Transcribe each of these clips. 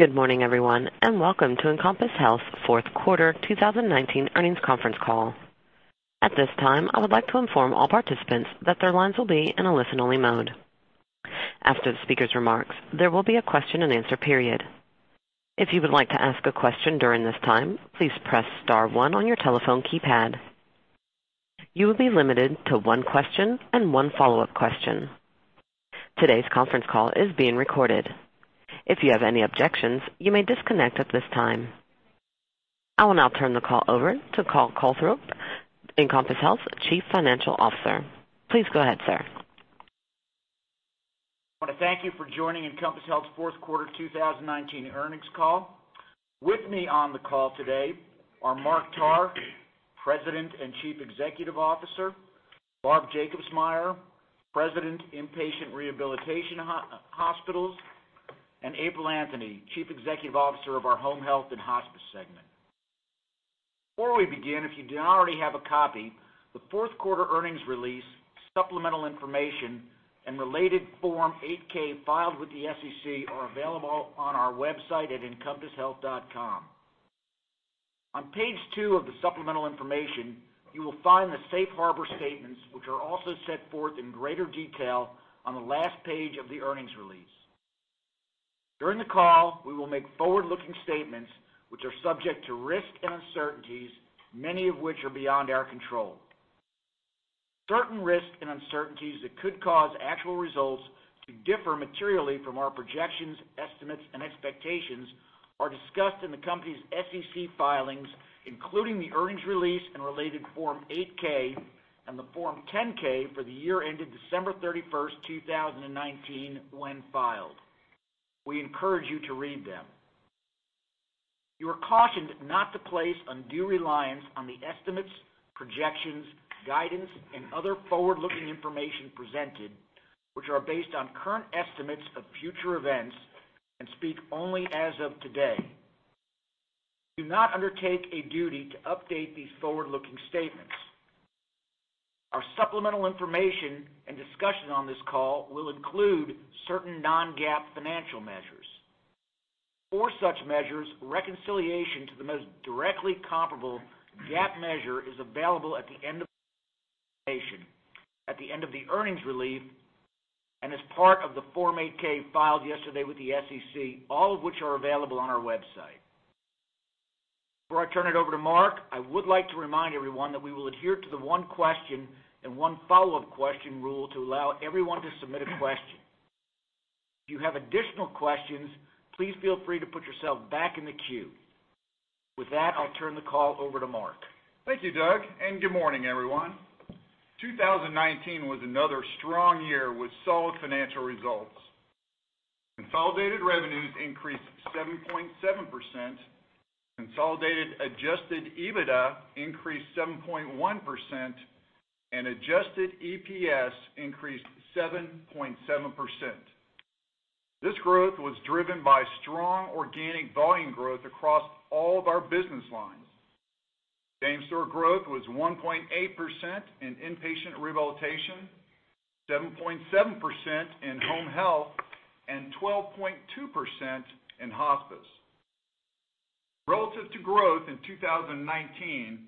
Good morning, everyone, and welcome to Encompass Health Q4 2019 Earnings Conference Call. At this time, I would like to inform all participants that their lines will be in a listen-only mode. After the speaker's remarks, there will be a question-and-answer period. If you would like to ask a question during this time, please press star one on your telephone keypad. You will be limited to one question and one follow-up question. Today's conference call is being recorded. If you have any objections, you may disconnect at this time. I will now turn the call over to Douglas Coltharp, Encompass Health's Chief Financial Officer. Please go ahead, sir. I want to thank you for joining Encompass Health's Q4 2019 Earnings Call. With me on the call today are Mark Tarr, President and Chief Executive Officer, Barbara Jacobsmeyer, President, Inpatient Rehabilitation Hospitals, and April Anthony, Chief Executive Officer of our Home Health and Hospice segment. Before we begin, if you do not already have a copy, the Q4 earnings release, supplemental information, and related Form 8-K filed with the SEC are available on our website at encompasshealth.com. On page two of the supplemental information, you will find the safe harbor statements, which are also set forth in greater detail on the last page of the earnings release. During the call, we will make forward-looking statements which are subject to risks and uncertainties, many of which are beyond our control. Certain risks and uncertainties that could cause actual results to differ materially from our projections, estimates, and expectations are discussed in the company's SEC filings, including the earnings release and related Form 8-K and the Form 10-K for the year ended December 31st, 2019, when filed. We encourage you to read them. You are cautioned not to place undue reliance on the estimates, projections, guidance, and other forward-looking information presented, which are based on current estimates of future events and speak only as of today. We do not undertake a duty to update these forward-looking statements. Our supplemental information and discussion on this call will include certain non-GAAP financial measures. For such measures, reconciliation to the most directly comparable GAAP measure is available at the end of the presentation, at the end of the earnings release, and as part of the Form 8-K filed yesterday with the SEC, all of which are available on our website. Before I turn it over to Mark, I would like to remind everyone that we will adhere to the one question and one follow-up question rule to allow everyone to submit a question. If you have additional questions, please feel free to put yourself back in the queue. With that, I'll turn the call over to Mark. Thank you, Douglas, and good morning, everyone. 2019 was another strong year with solid financial results. Consolidated revenues increased 7.7%, consolidated Adjusted EBITDA increased 7.1%, and adjusted EPS increased 7.7%. This growth was driven by strong organic volume growth across all of our business lines. Same-store growth was 1.8% in inpatient rehabilitation, 7.7% in home health, and 12.2% in hospice. Relative to growth in 2019,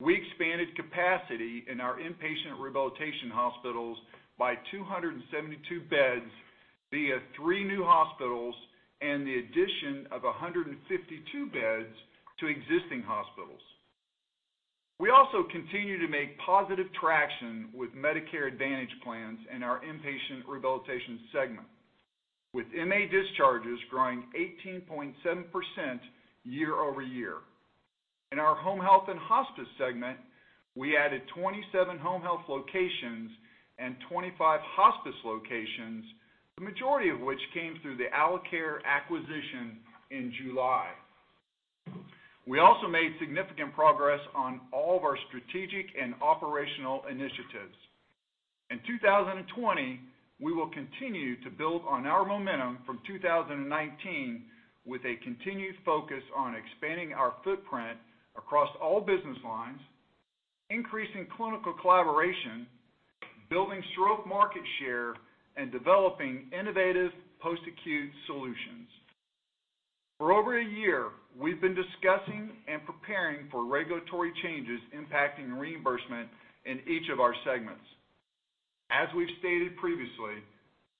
we expanded capacity in our inpatient rehabilitation hospitals by 272 beds via three new hospitals and the addition of 152 beds to existing hospitals. We also continue to make positive traction with Medicare Advantage plans in our inpatient rehabilitation segment, with MA discharges growing 18.7% year-over-year. In our home health and hospice segment, we added 27 home health locations and 25 hospice locations, the majority of which came through the Alacare acquisition in July. We also made significant progress on all of our strategic and operational initiatives. In 2020, we will continue to build on our momentum from 2019 with a continued focus on expanding our footprint across all business lines, increasing clinical collaboration, building stroke market share, and developing innovative post-acute solutions. For over a year, we've been discussing and preparing for regulatory changes impacting reimbursement in each of our segments. As we've stated previously,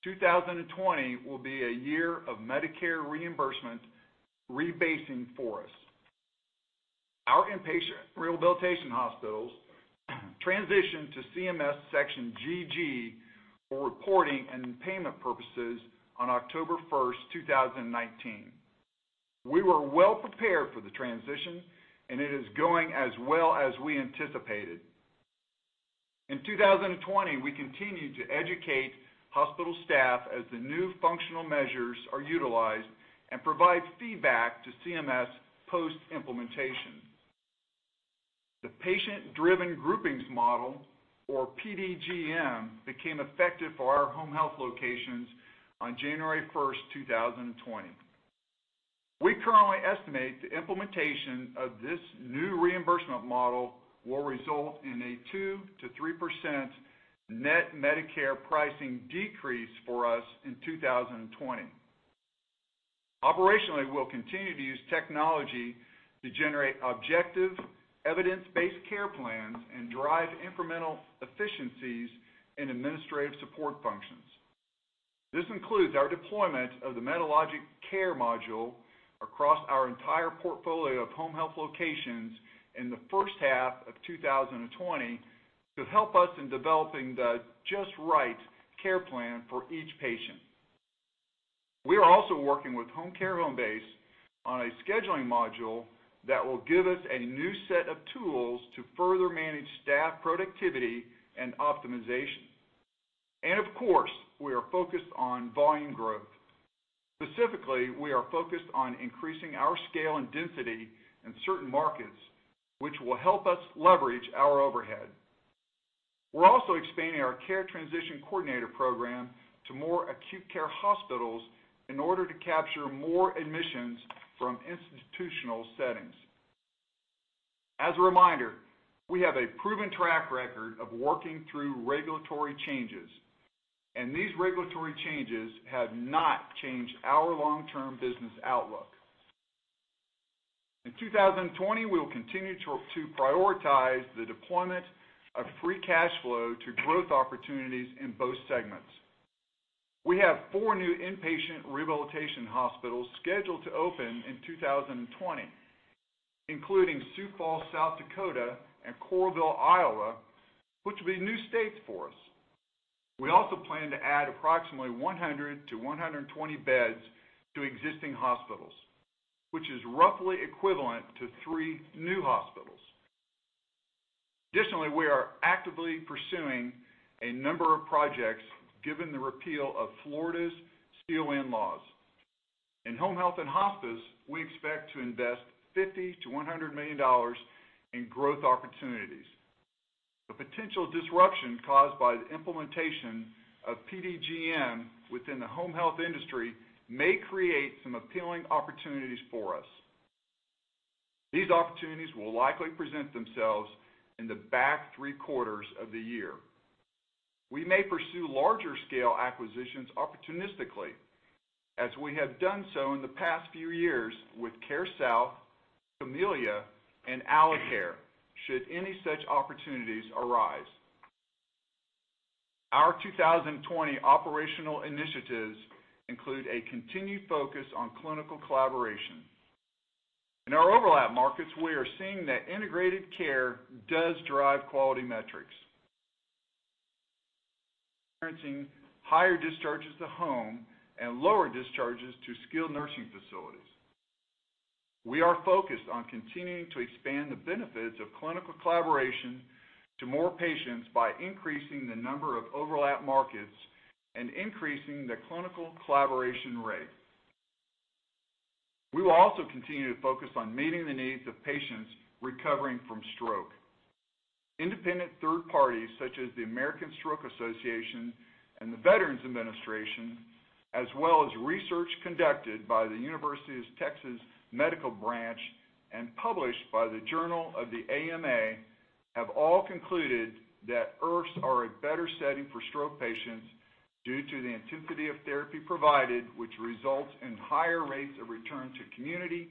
2020 will be a year of Medicare reimbursement rebasing for us. Our inpatient rehabilitation hospitals transitioned to CMS Section GG for reporting and payment purposes on October 1st, 2019. We were well prepared for the transition, and it is going as well as we anticipated. In 2020, we continue to educate hospital staff as the new functional measures are utilized and provide feedback to CMS post-implementation. The Patient-Driven Groupings Model, or PDGM, became effective for our home health locations on January 1st, 2020. We currently estimate the implementation of this new reimbursement model will result in a 2%-3% net Medicare pricing decrease for us in 2020. Operationally, we'll continue to use technology to generate objective, evidence-based care plans and drive incremental efficiencies in administrative support functions. This includes our deployment of the Medalogix Care module across our entire portfolio of home health locations in the H1 of 2020 to help us in developing the Just Right care plan for each patient. We are also working with Homecare Homebase on a scheduling module that will give us a new set of tools to further manage staff productivity and optimization. Of course, we are focused on volume growth. Specifically, we are focused on increasing our scale and density in certain markets, which will help us leverage our overhead. We're also expanding our Care Transition Coordinator program to more acute care hospitals in order to capture more admissions from institutional settings. As a reminder, we have a proven track record of working through regulatory changes, and these regulatory changes have not changed our long-term business outlook. In 2020, we will continue to prioritize the deployment of free cash flow to growth opportunities in both segments. We have four new inpatient rehabilitation hospitals scheduled to open in 2020, including Sioux Falls, South Dakota, and Coralville, Iowa, which will be new states for us. We also plan to add approximately 100-120 beds to existing hospitals, which is roughly equivalent to three new hospitals. Additionally, we are actively pursuing a number of projects given the repeal of Florida's CON laws. In home health and hospice, we expect to invest $50 million-$100 million in growth opportunities. The potential disruption caused by the implementation of PDGM within the home health industry may create some appealing opportunities for us. These opportunities will likely present themselves in the back three quarters of the year. We may pursue larger scale acquisitions opportunistically, as we have done so in the past few years with CareSouth, Camellia, and Alacare, should any such opportunities arise. Our 2020 operational initiatives include a continued focus on clinical collaboration. In our overlap markets, we are seeing that integrated care does drive quality metrics, experiencing higher discharges to home and lower discharges to skilled nursing facilities. We are focused on continuing to expand the benefits of clinical collaboration to more patients by increasing the number of overlap markets and increasing the clinical collaboration rate. We will also continue to focus on meeting the needs of patients recovering from stroke. Independent third parties, such as the American Stroke Association and the Veterans Administration, as well as research conducted by the University of Texas Medical Branch and published by the Journal of the AMA, have all concluded that IRFs are a better setting for stroke patients due to the intensity of therapy provided, which results in higher rates of return to community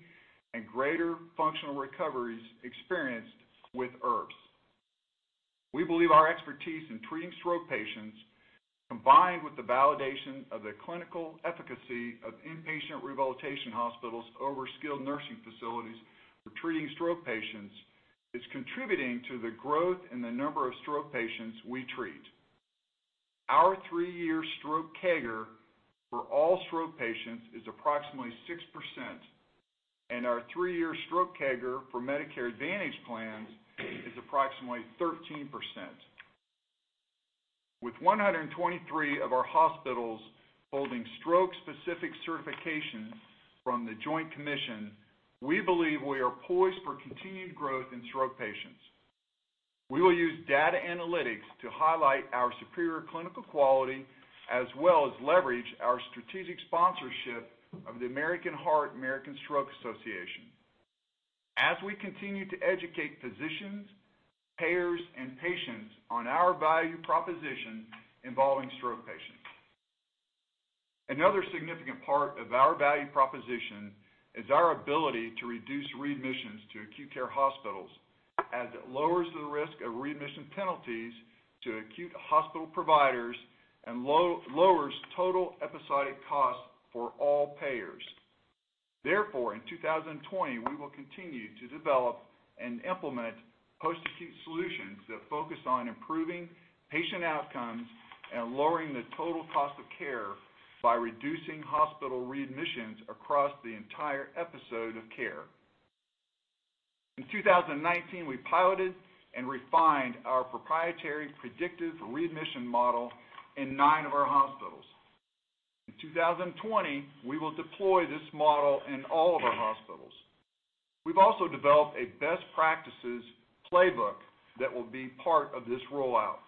and greater functional recoveries experienced with IRFs. We believe our expertise in treating stroke patients, combined with the validation of the clinical efficacy of inpatient rehabilitation hospitals over skilled nursing facilities for treating stroke patients, is contributing to the growth in the number of stroke patients we treat. Our three-year stroke CAGR for all stroke patients is approximately 6%, and our three-year stroke CAGR for Medicare Advantage plans is approximately 13%. With 123 of our hospitals holding stroke-specific certification from The Joint Commission, we believe we are poised for continued growth in stroke patients. We will use data analytics to highlight our superior clinical quality, as well as leverage our strategic sponsorship of the American Heart Association/American Stroke Association. As we continue to educate physicians, payers, and patients on our value proposition involving stroke patients. Another significant part of our value proposition is our ability to reduce readmissions to acute care hospitals, as it lowers the risk of readmission penalties to acute hospital providers and lowers total episodic costs for all payers. Therefore, in 2020, we will continue to develop and implement post-acute solutions that focus on improving patient outcomes and lowering the total cost of care by reducing hospital readmissions across the entire episode of care. In 2019, we piloted and refined our proprietary predictive readmission model in nine of our hospitals. In 2020, we will deploy this model in all of our hospitals. We've also developed a best practices playbook that will be part of this rollout.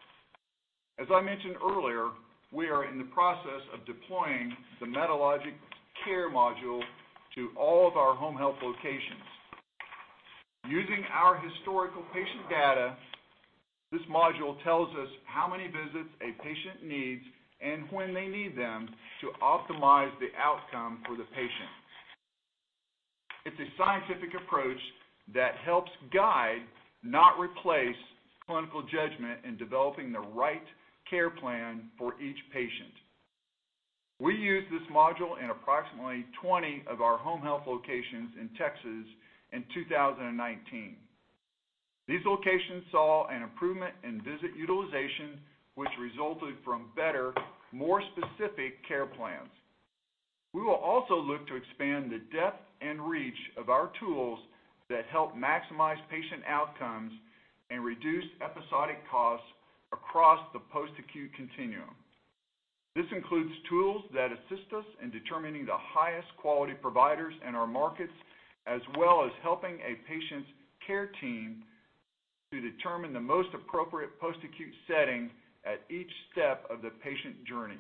As I mentioned earlier, we are in the process of deploying the Medalogix Care module to all of our home health locations. Using our historical patient data, this module tells us how many visits a patient needs and when they need them to optimize the outcome for the patient. It's a scientific approach that helps guide, not replace, clinical judgment in developing the right care plan for each patient. We used this module in approximately 20 of our home health locations in Texas in 2019. These locations saw an improvement in visit utilization, which resulted from better, more specific care plans. We will also look to expand the depth and reach of our tools that help maximize patient outcomes and reduce episodic costs across the post-acute continuum. This includes tools that assist us in determining the highest quality providers in our markets, as well as helping a patient's care team to determine the most appropriate post-acute setting at each step of the patient journey.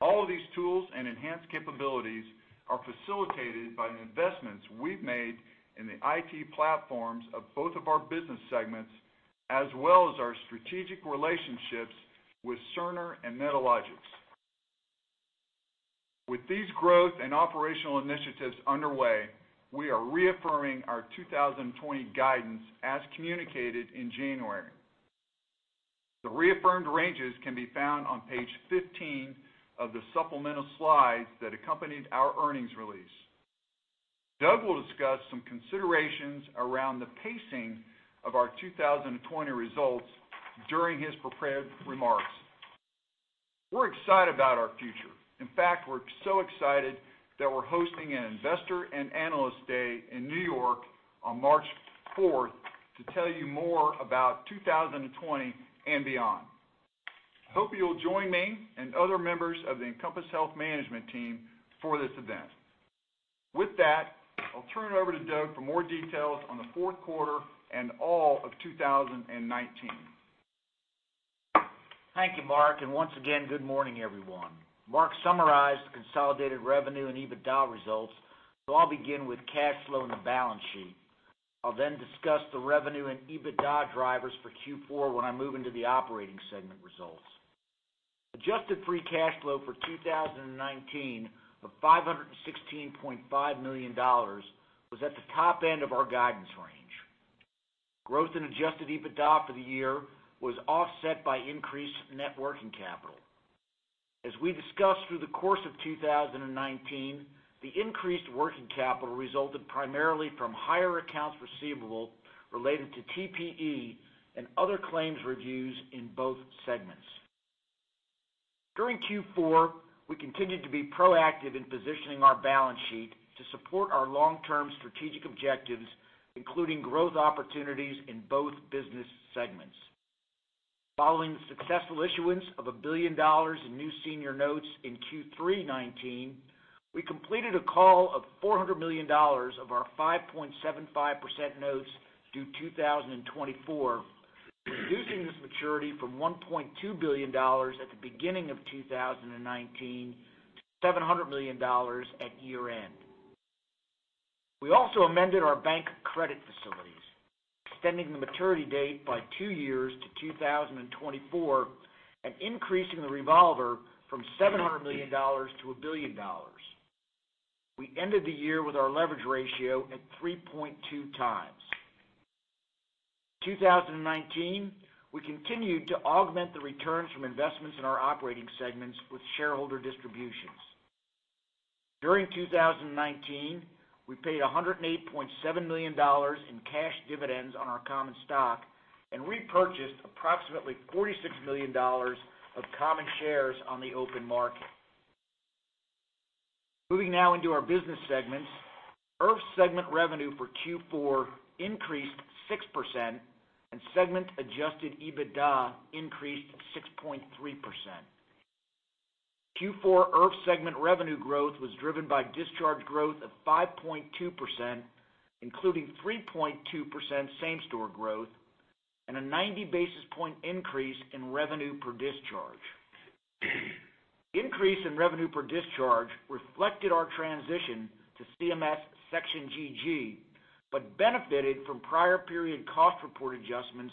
All of these tools and enhanced capabilities are facilitated by the investments we've made in the IT platforms of both of our business segments, as well as our strategic relationships with Cerner and Medalogix. With these growth and operational initiatives underway, we are reaffirming our 2020 guidance as communicated in January. The reaffirmed ranges can be found on page 15 of the supplemental slides that accompanied our earnings release. Douglas will discuss some considerations around the pacing of our 2020 results during his prepared remarks. We're excited about our future. In fact, we're so excited that we're hosting an Investor and Analyst Day in New York on March 4th to tell you more about 2020 and beyond. Hope you'll join me and other members of the Encompass Health management team for this event. With that, I'll turn it over to Douglas for more details on the Q4 and all of 2019. Thank you, Mark, and once again, good morning, everyone. Mark summarized the consolidated revenue and EBITDA results, so I'll begin with cash flow and the balance sheet. I'll then discuss the revenue and EBITDA drivers for Q4 when I move into the operating segment results. Adjusted free cash flow for 2019 of $516.5 million was at the top end of our guidance range. Growth in Adjusted EBITDA for the year was offset by increased net working capital. As we discussed through the course of 2019, the increased working capital resulted primarily from higher accounts receivable related to TPE and other claims reviews in both segments. During Q4, we continued to be proactive in positioning our balance sheet to support our long-term strategic objectives, including growth opportunities in both business segments. Following the successful issuance of $1 billion in new senior notes in Q3 2019, we completed a call of $400 million of our 5.75% notes due 2024, reducing this maturity from $1.2 billion at the beginning of 2019 to $700 million at year-end. We also amended our bank credit facilities, extending the maturity date by two years to 2024 and increasing the revolver from $700 million to $1 billion. We ended the year with our leverage ratio at 3.2x. In 2019, we continued to augment the returns from investments in our operating segments with shareholder distributions. During 2019, we paid $108.7 million in cash dividends on our common stock and repurchased approximately $46 million of common shares on the open market. Moving now into our business segments. IRF segment revenue for Q4 increased 6%, and segment Adjusted EBITDA increased 6.3%. Q4 IRF segment revenue growth was driven by discharge growth of 5.2%, including 3.2% same-store growth and a 90-basis-point increase in revenue per discharge. Increase in revenue per discharge reflected our transition to CMS Section GG, benefited from prior period cost report adjustments,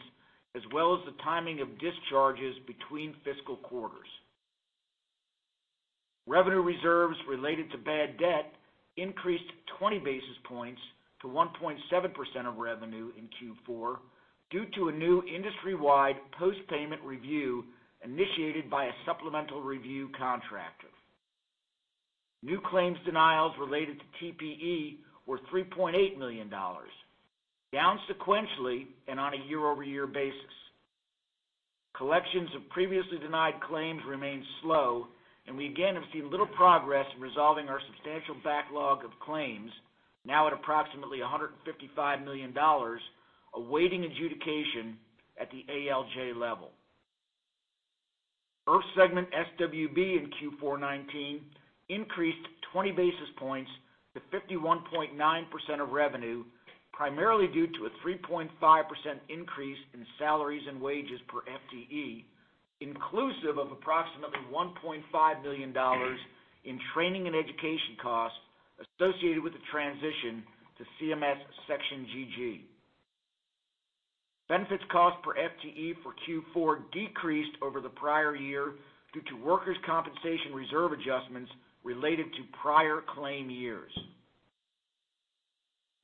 as well as the timing of discharges between fiscal quarters. Revenue reserves related to bad debt increased 20 basis points to 1.7% of revenue in Q4 due to a new industry-wide post-payment review initiated by a supplemental review contractor. New claims denials related to TPE were $3.8 million, down sequentially and on a year-over-year basis. Collections of previously denied claims remained slow, we again have seen little progress in resolving our substantial backlog of claims, now at approximately $155 million, awaiting adjudication at the ALJ level. IRF segment SWB in Q4 2019 increased 20 basis points to 51.9% of revenue, primarily due to a 3.5% increase in salaries and wages per FTE-Inclusive of approximately $1.5 million in training and education costs associated with the transition to CMS Section GG. Benefits cost per FTE for Q4 decreased over the prior year due to workers' compensation reserve adjustments related to prior claim years.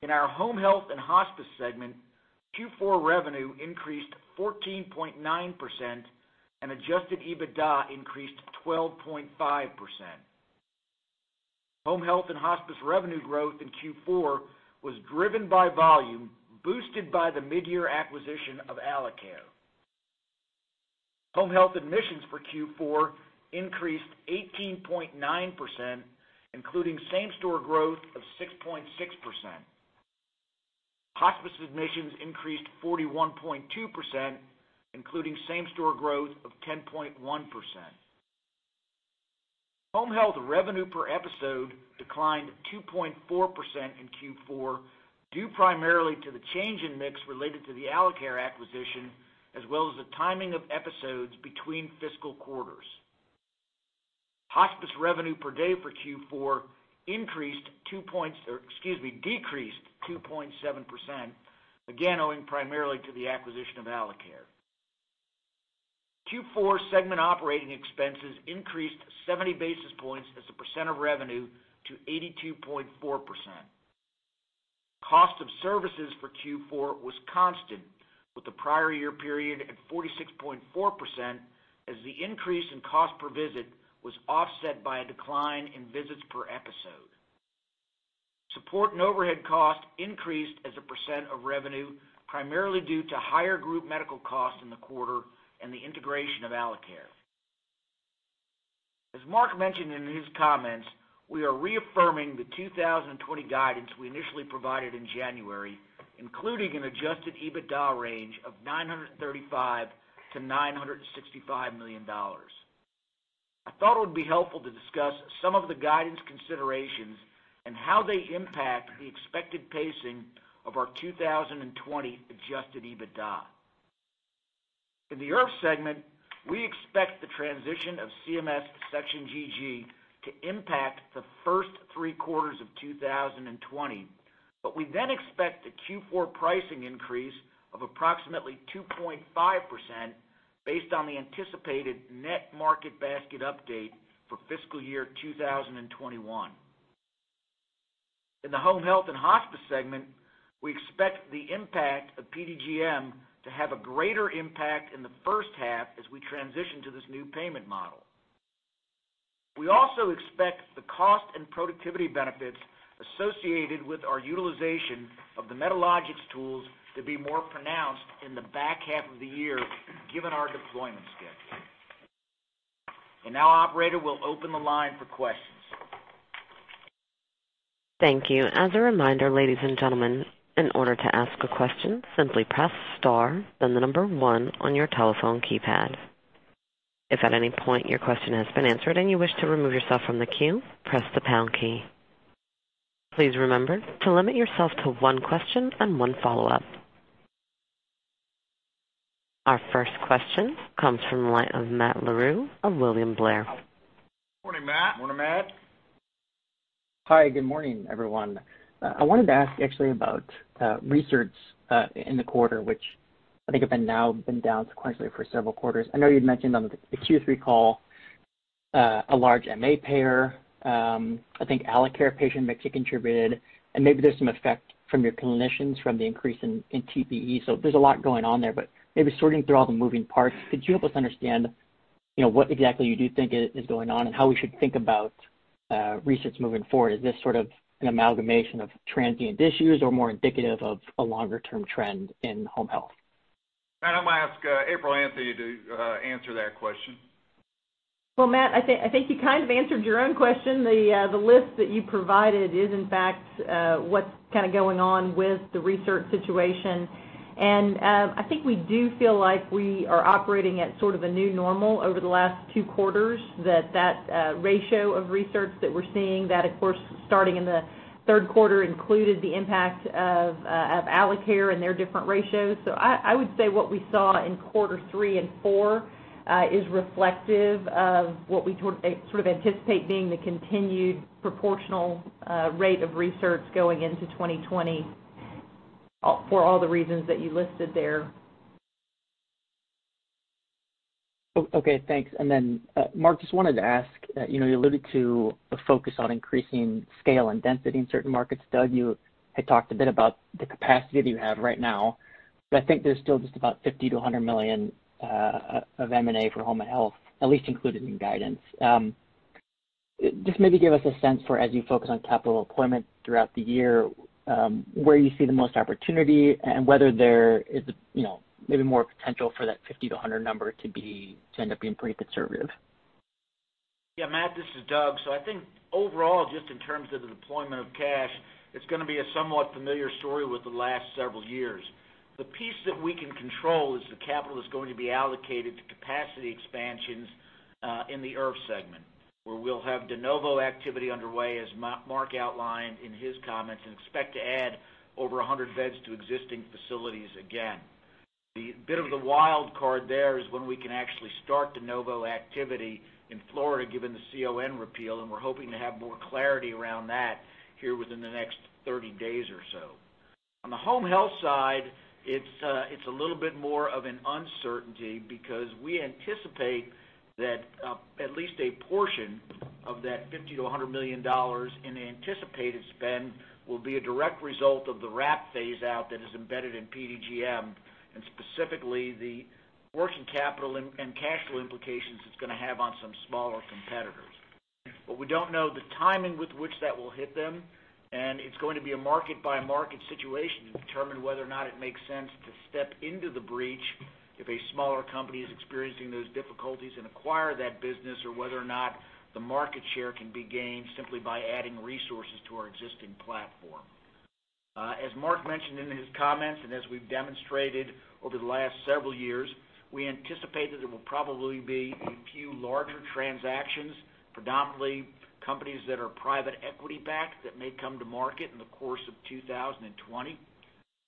In our Home Health and Hospice segment, Q4 revenue increased 14.9%, and Adjusted EBITDA increased 12.5%. Home Health and Hospice revenue growth in Q4 was driven by volume, boosted by the mid-year acquisition of Alacare. Home Health admissions for Q4 increased 18.9%, including same-store growth of 6.6%. Hospice admissions increased 41.2%, including same-store growth of 10.1%. Home health revenue per episode declined 2.4% in Q4, due primarily to the change in mix related to the Alacare acquisition, as well as the timing of episodes between fiscal quarters. Hospice revenue per day for Q4 decreased 2.7%, again, owing primarily to the acquisition of Alacare. Q4 segment operating expenses increased 70 basis points as a percent of revenue to 82.4%. Cost of services for Q4 was constant with the prior year period at 46.4%, as the increase in cost per visit was offset by a decline in visits per episode. Support and overhead costs increased as a percent of revenue, primarily due to higher group medical costs in the quarter and the integration of Alacare. As Mark mentioned in his comments, we are reaffirming the 2020 guidance we initially provided in January, including an Adjusted EBITDA range of $935 million-$965 million. I thought it would be helpful to discuss some of the guidance considerations and how they impact the expected pacing of our 2020 Adjusted EBITDA. In the IRF segment, we expect the transition of CMS Section GG to impact the first three quarters of 2020. We then expect a Q4 pricing increase of approximately 2.5%, based on the anticipated net market basket update for fiscal year 2021. In the home health and hospice segment, we expect the impact of PDGM to have a greater impact in the H1 as we transition to this new payment model. We also expect the cost and productivity benefits associated with our utilization of the Medalogix tools to be more pronounced in the H2 of the year, given our deployment schedule. Now, operator, we'll open the line for questions. Thank you. As a reminder, ladies and gentlemen, in order to ask a question, simply press star then the number one on your telephone keypad. If at any point your question has been answered and you wish to remove yourself from the queue, press the pound key. Please remember to limit yourself to one question and one follow-up. Our first question comes from the line of Matthew Gillmor of William Blair. Morning, Matthew. Morning, Matthew. Hi, good morning, everyone. I wanted to ask actually about recerts in the quarter, which I think have been now been down sequentially for several quarters. I know you'd mentioned on the Q3 call, a large MA payer, I think Alacare patient mix contributed, and maybe there's some effect from your clinicians from the increase in TPE. There's a lot going on there. Maybe sorting through all the moving parts, could you help us understand, what exactly you do think is going on and how we should think about recerts moving forward? Is this sort of an amalgamation of transient issues or more indicative of a longer-term trend in home health? Matthew, I'm gonna ask April Anthony to answer that question. Well, Matt, I think you kind of answered your own question. The, the list that you provided is in fact, what's kind of going on with the recert situation. I think we do feel like we are operating at sort of a new normal over the last two quarters, that ratio of recerts that we're seeing, that of course, starting in Q3 included the impact of Alacare and their different ratios. I would say what we saw in Q3 and Q4 is reflective of what we sort of anticipate being the continued proportional rate of recerts going into 2020 for all the reasons that you listed there. Okay, thanks. Mark, just wanted to ask, you alluded to the focus on increasing scale and density in certain markets. Douglas, you had talked a bit about the capacity that you have right now, but I think there's still just about $50 million-$100 million of M&A for home health, at least included in guidance. just maybe give us a sense for as you focus on capital deployment throughout the year, where you see the most opportunity and whether there is a, maybe more potential for that $50 million-$100 million number to be, to end up being pretty conservative? Yeah, Matthew, this is Douglas. I think overall, just in terms of the deployment of cash, it's going to be a somewhat familiar story with the last several years. The piece that we can control is the capital that's going to be allocated to capacity expansion. In the IRF segment, where we'll have de novo activity underway, as Mark outlined in his comments, and expect to add over 100 beds to existing facilities again. The bit of the wild card there is when we can actually start de novo activity in Florida, given the CON repeal, and we're hoping to have more clarity around that here within the next 30 days or so. On the home health side, it's a little bit more of an uncertainty because we anticipate that at least a portion of that $50 million-$100 million in anticipated spend will be a direct result of the wrap phase-out that is embedded in PDGM, and specifically the working capital and cash flow implications it's going to have on some smaller competitors. We don't know the timing with which that will hit them, and it's going to be a market-by-market situation to determine whether or not it makes sense to step into the breach if a smaller company is experiencing those difficulties and acquire that business or whether or not the market share can be gained simply by adding resources to our existing platform. As Mark mentioned in his comments, and as we've demonstrated over the last several years, we anticipate that there will probably be a few larger transactions, predominantly companies that are private equity-backed, that may come to market in the course of 2020.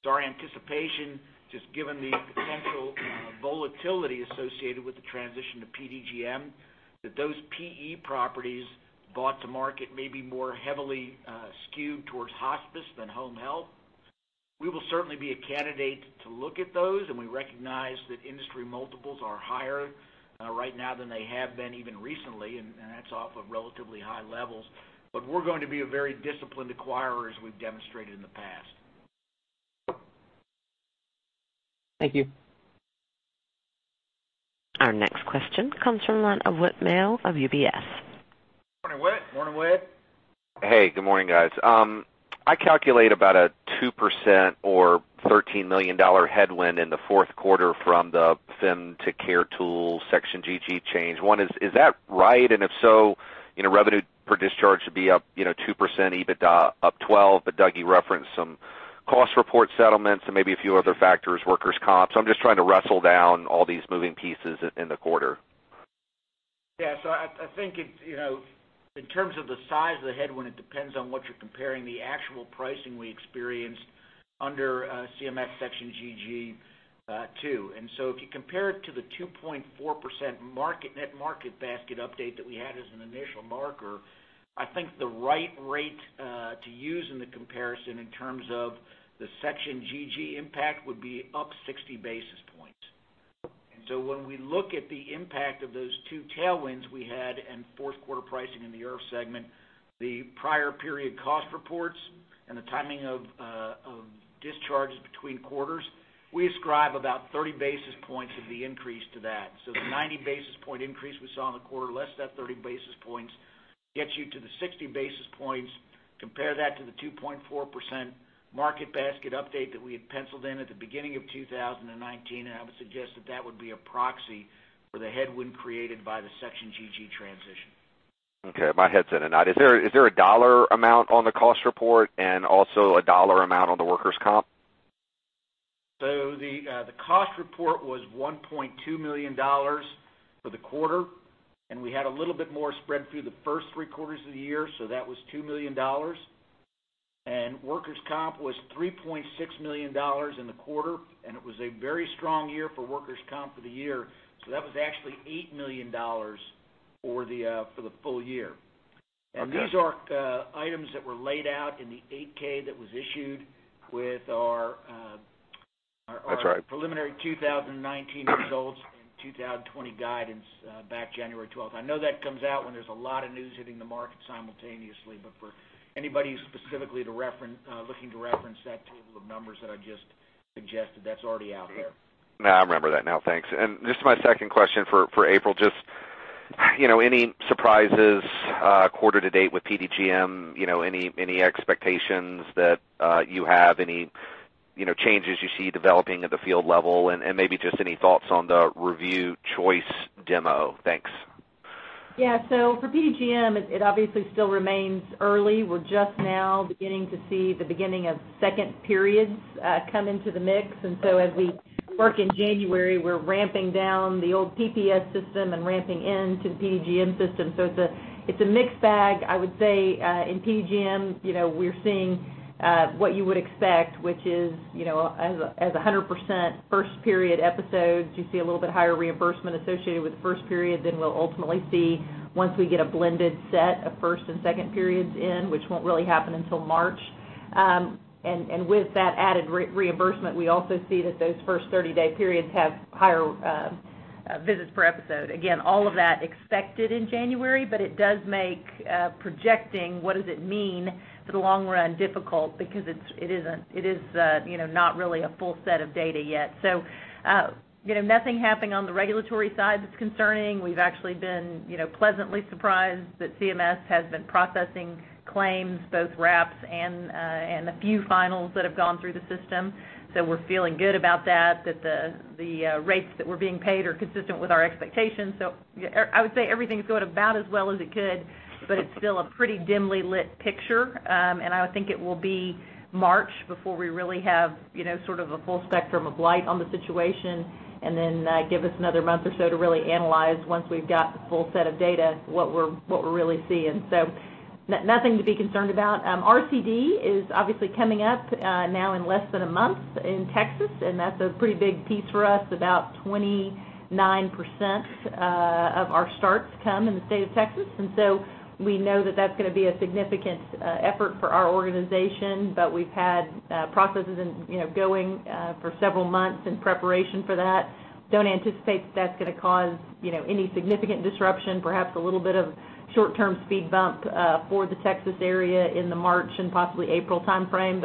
Our anticipation, just given the potential volatility associated with the transition to PDGM, that those PE properties brought to market may be more heavily skewed towards hospice than home health. We will certainly be a candidate to look at those, and we recognize that industry multiples are higher right now than they have been even recently, and that's off of relatively high levels. We're going to be a very disciplined acquirer, as we've demonstrated in the past. Thank you. Our next question comes from the line of Whit Mayo of UBS. Morning, Whit. Morning, Whit. Hey, good morning, guys. I calculate about a 2% or $13 million headwind in Q4 from the FIM to Care Tools Section GG change. One, is that right? If so, revenue per discharge should be up 2%, EBITDA up 12%. Douglas referenced some cost report settlements and maybe a few other factors, workers' comp. I'm just trying to wrestle down all these moving pieces in the quarter. I think in terms of the size of the headwind, it depends on what you're comparing the actual pricing we experienced under CMS Section GG, too. If you compare it to the 2.4% net market basket update that we had as an initial marker, I think the right rate to use in the comparison in terms of the Section GG impact would be up 60 basis points. When we look at the impact of those two tailwinds we had and Q4 pricing in the IRF segment, the prior period cost reports and the timing of discharges between quarters, we ascribe about 30 basis points of the increase to that. The 90 basis point increase we saw in the quarter, less that 30 basis points gets you to the 60 basis points. Compare that to the 2.4% market basket update that we had penciled in at the beginning of 2019. I would suggest that that would be a proxy for the headwind created by the Section GG transition. Okay. My head's in a knot. Is there a dollar amount on the cost report and also a dollar amount on the workers' comp? The cost report was $1.2 million for the quarter, and we had a little bit more spread through the first three quarters of the year, so that was $2 million. Workers' comp was $3.6 million in the quarter, and it was a very strong year for workers' comp for the year. That was actually $8 million for the full year. Okay. These are items that were laid out in the 8-K that was issued with our. That's right. Preliminary 2019 results and 2020 guidance back January 12th. I know that comes out when there's a lot of news hitting the market simultaneously, for anybody specifically looking to reference that table of numbers that I just suggested, that's already out there. No, I remember that now, thanks. Just my second question for April, just any surprises quarter to date with PDGM? Any expectations that you have? Any changes you see developing at the field level? Maybe just any thoughts on the Review Choice Demo? Thanks. For PDGM, it obviously still remains early. We're just now beginning to see the beginning of second periods come into the mix. As we work in January, we're ramping down the old PPS system and ramping into the PDGM system. It's a mixed bag. I would say, in PDGM, we're seeing what you would expect, which is, as 100% first period episodes, you see a little bit higher reimbursement associated with the first period than we'll ultimately see once we get a blended set of first and second periods in, which won't really happen until March. With that added reimbursement, we also see that those first 30-day periods have higher visits per episode. All of that expected in January, it does make projecting what does it mean for the long run difficult because it is not really a full set of data yet. Nothing happening on the regulatory side that's concerning. We've actually been pleasantly surprised that CMS has been processing claims, both RAPs and a few finals that have gone through the system. We're feeling good about that the rates that we're being paid are consistent with our expectations. I would say everything's going about as well as it could, it's still a pretty dimly lit picture. I would think it will be March before we really have sort of a full spectrum of light on the situation, give us another month or so to really analyze once we've got the full set of data, what we're really seeing. Nothing to be concerned about. RCD is obviously coming up now in less than a month in Texas, and that's a pretty big piece for us. About 29% of our starts come in the state of Texas, we know that that's going to be a significant effort for our organization. We've had processes going for several months in preparation for that. Don't anticipate that's going to cause any significant disruption, perhaps a little bit of short-term speed bump for the Texas area in the March and possibly April timeframe.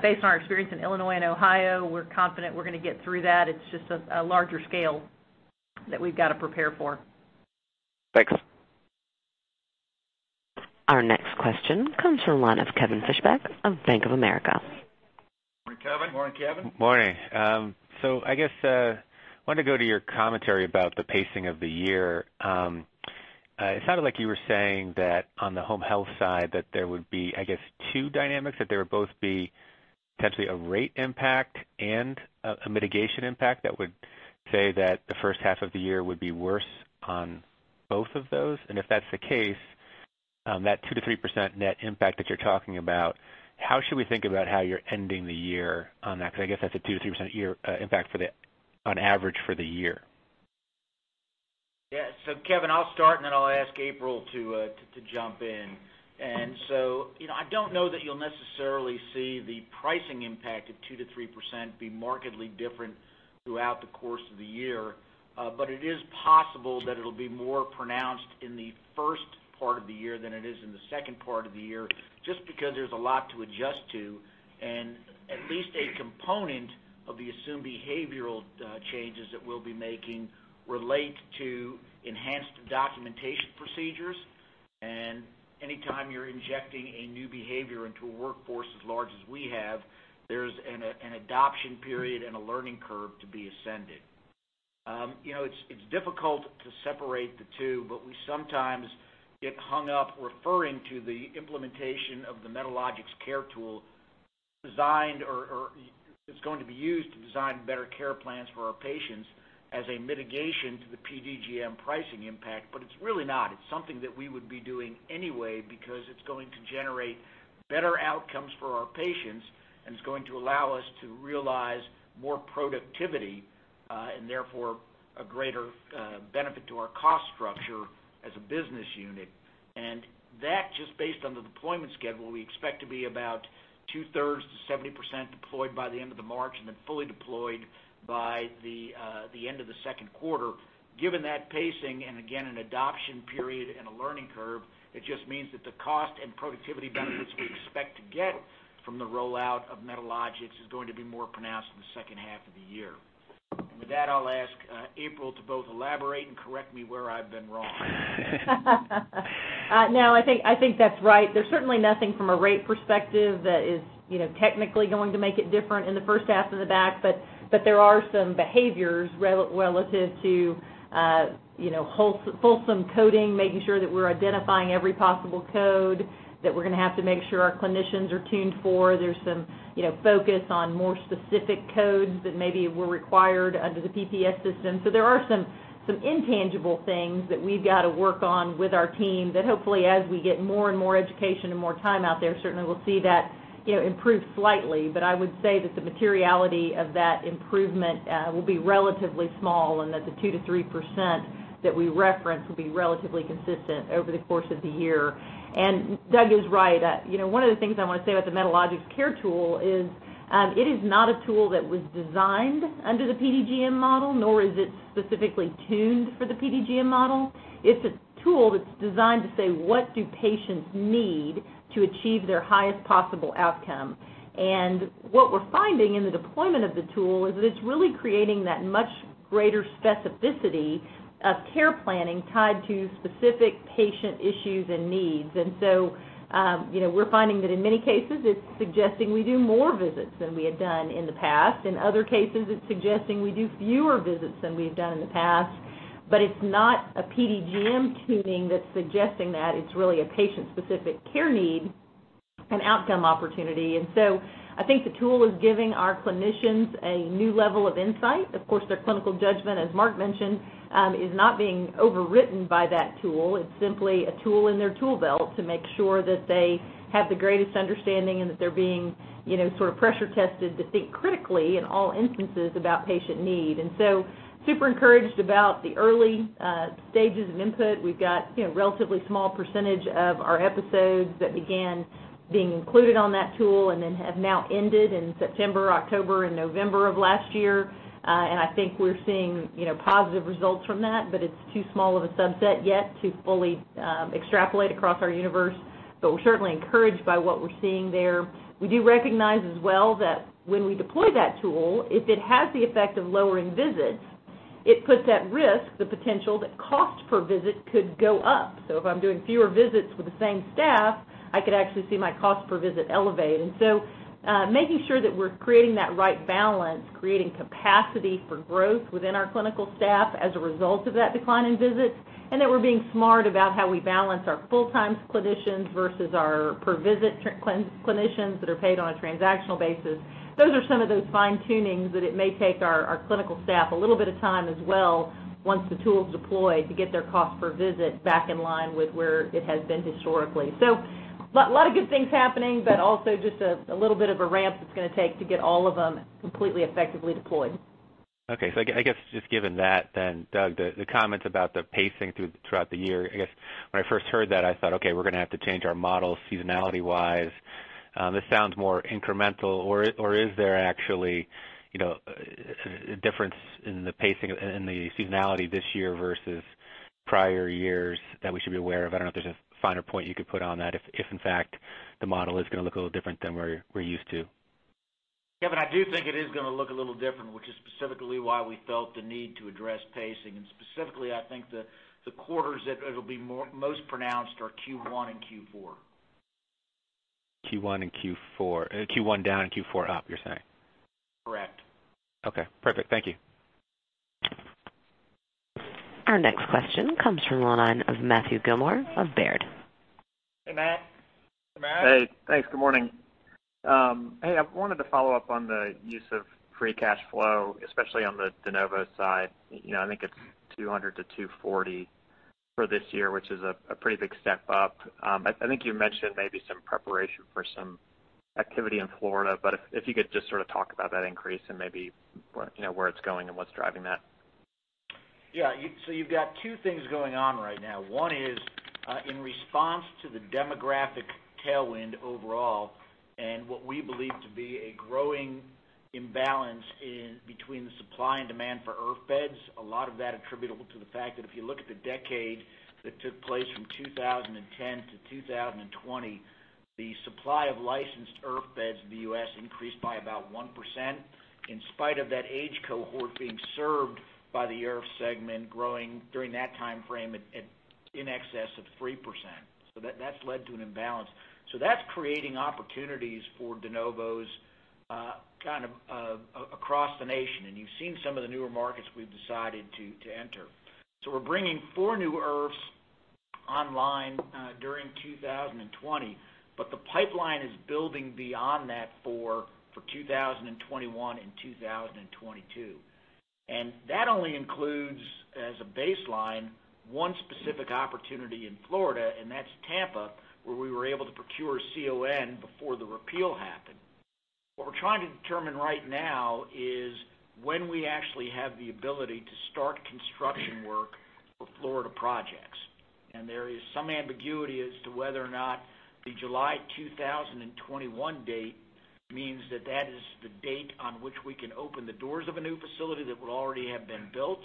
Based on our experience in Illinois and Ohio, we're confident we're going to get through that. It's just a larger scale that we've got to prepare for. Thanks. Our next question comes from the line of Kevin Fischbeck of Bank of America. Morning, Kevin. Morning, Kevin. Morning. I guess I wanted to go to your commentary about the pacing of the year. It sounded like you were saying that on the home health side, that there would be, I guess, two dynamics, that there would both be potentially a rate impact and a mitigation impact that would say that the H1 of the year would be worse on both of those. If that's the case, that 2%-3% net impact that you're talking about, how should we think about how you're ending the year on that? Because I guess that's a 2%-3% impact on average for the year. Yeah. Kevin, I'll start and then I'll ask April to jump in. I don't know that you'll necessarily see the pricing impact of 2%-3% be markedly different throughout the course of the year. It is possible that it'll be more pronounced in the H1 of the year than it is in the H2 of the year, just because there's a lot to adjust to. At least a component of the assumed behavioral changes that we'll be making relate to enhanced documentation procedures. Anytime you're injecting a new behavior into a workforce as large as we have, there's an adoption period and a learning curve to be ascended. It's difficult to separate the two, but we sometimes get hung up referring to the implementation of the Medalogix Care tool that's going to be used to design better care plans for our patients as a mitigation to the PDGM pricing impact. It's really not. It's something that we would be doing anyway because it's going to generate better outcomes for our patients, and it's going to allow us to realize more productivity, and therefore a greater benefit to our cost structure as a business unit. That, just based on the deployment schedule, we expect to be about two-thirds to 70% deployed by the end of the March and then fully deployed by the end of Q2. Given that pacing and again, an adoption period and a learning curve, it just means that the cost and productivity benefits we expect to get from the rollout of Medalogix is going to be more pronounced in the H2 of the year. With that, I'll ask April to both elaborate and correct me where I've been wrong. No, I think that's right. There's certainly nothing from a rate perspective that is technically going to make it different in the H1 than the back. There are some behaviors relative to fulsome coding, making sure that we're identifying every possible code that we're going to have to make sure our clinicians are tuned for. There's some focus on more specific codes that maybe were required under the PPS system. There are some intangible things that we've got to work on with our team that hopefully as we get more and more education and more time out there, certainly we'll see that improve slightly. I would say that the materiality of that improvement will be relatively small and that the 2% to 3% that we reference will be relatively consistent over the course of the year. Douglas is right. One of the things I want to say about the Medalogix Care tool is it is not a tool that was designed under the PDGM model, nor is it specifically tuned for the PDGM model. It's a tool that's designed to say, what do patients need to achieve their highest possible outcome? What we're finding in the deployment of the tool is that it's really creating that much greater specificity of care planning tied to specific patient issues and needs. We're finding that in many cases, it's suggesting we do more visits than we had done in the past. In other cases, it's suggesting we do fewer visits than we've done in the past. It's not a PDGM tuning that's suggesting that. It's really a patient-specific care need and outcome opportunity. I think the tool is giving our clinicians a new level of insight. Of course, their clinical judgment, as Mark mentioned, is not being overwritten by that tool. It's simply a tool in their tool belt to make sure that they have the greatest understanding and that they're being sort of pressure tested to think critically in all instances about patient need. Super encouraged about the early stages of input. We've got relatively small percentage of our episodes that began being included on that tool and then have now ended in September, October, and November of last year. I think we're seeing positive results from that, but it's too small of a subset yet to fully extrapolate across our universe. We're certainly encouraged by what we're seeing there. We do recognize as well that when we deploy that tool, if it has the effect of lowering visits, it puts at risk the potential that cost per visit could go up. If I'm doing fewer visits with the same staff, I could actually see my cost per visit elevate. Making sure that we're creating that right balance, creating capacity for growth within our clinical staff as a result of that decline in visits, and that we're being smart about how we balance our full-time clinicians versus our per-visit clinicians that are paid on a transactional basis. Those are some of those fine-tunings that it may take our clinical staff a little bit of time as well, once the tool is deployed, to get their cost per visit back in line with where it has been historically. A lot of good things happening, but also just a little bit of a ramp it's going to take to get all of them completely effectively deployed. Okay. I guess just given that then, Douglas, the comments about the pacing throughout the year, I guess, when I first heard that, I thought, "Okay, we're going to have to change our model seasonality-wise." This sounds more incremental, or is there actually a difference in the pacing and the seasonality this year versus prior years that we should be aware of? I don't know if there's a finer point you could put on that, if in fact the model is going to look a little different than we're used to. Kevin, I do think it is going to look a little different, which is specifically why we felt the need to address pacing. Specifically, I think the quarters that it'll be most pronounced are Q1 and Q4. Q1 and Q4. Q1 down and Q4 up, you're saying? Correct. Okay, perfect. Thank you. Our next question comes from the line of Matthew Gillmor of Baird. Hey, Matthew. Morning Matthew. Hey. Thanks. Good morning. Hey, I wanted to follow up on the use of free cash flow, especially on the de novo side. I think it's $200-$240 for this year, which is a pretty big step up. I think you mentioned maybe some preparation for some activity in Florida, but if you could just sort of talk about that increase and maybe where it's going and what's driving that. You've got two things going on right now. One is, in response to the demographic tailwind overall and what we believe to be a growing imbalance between the supply and demand for IRF beds, a lot of that attributable to the fact that if you look at the decade that took place from 2010 to 2020, the supply of licensed IRF beds in the U.S. increased by about 1%, in spite of that age cohort being served by the IRF segment growing during that timeframe at in excess of 3%. That's led to an imbalance. That's creating opportunities for de novos kind of across the nation, and you've seen some of the newer markets we've decided to enter. We're bringing four new IRFs online during 2020, but the pipeline is building beyond that for 2021 and 2022. That only includes, as a baseline, one specific opportunity in Florida, and that's Tampa, where we were able to procure a CON before the repeal happened. What we're trying to determine right now is when we actually have the ability to start construction work for Florida projects. There is some ambiguity as to whether or not the July 2021 date means that that is the date on which we can open the doors of a new facility that would already have been built,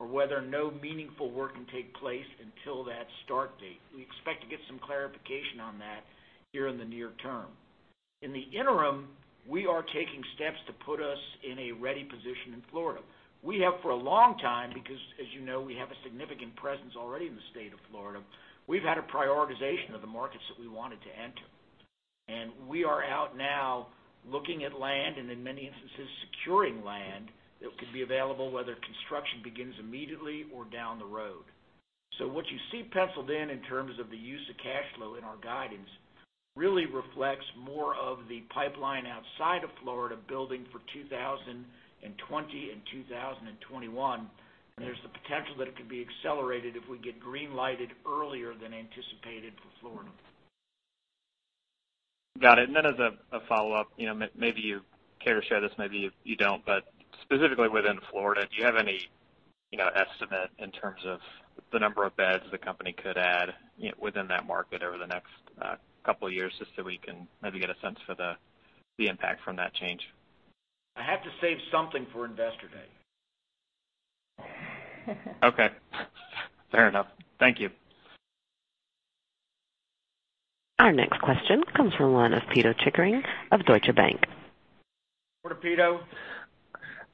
or whether no meaningful work can take place until that start date. We expect to get some clarification on that here in the near term. In the interim, we are taking steps to put us in a ready position in Florida. We have for a long time, because, as you know, we have a significant presence already in the State of Florida. We've had a prioritization of the markets that we wanted to enter. We are out now looking at land, and in many instances, securing land that could be available, whether construction begins immediately or down the road. What you see penciled in terms of the use of cash flow in our guidance, really reflects more of the pipeline outside of Florida building for 2020 and 2021. There's the potential that it could be accelerated if we get green-lighted earlier than anticipated for Florida. Got it. As a follow-up, maybe you care to share this, maybe you don't, but specifically within Florida, do you have any estimate in terms of the number of beds the company could add within that market over the next couple of years, just so we can maybe get a sense for the impact from that change? I have to save something for Investor Day. Okay. Fair enough. Thank you. Our next question comes from the line of Pito Chickering of Deutsche Bank. Good morning, Pito.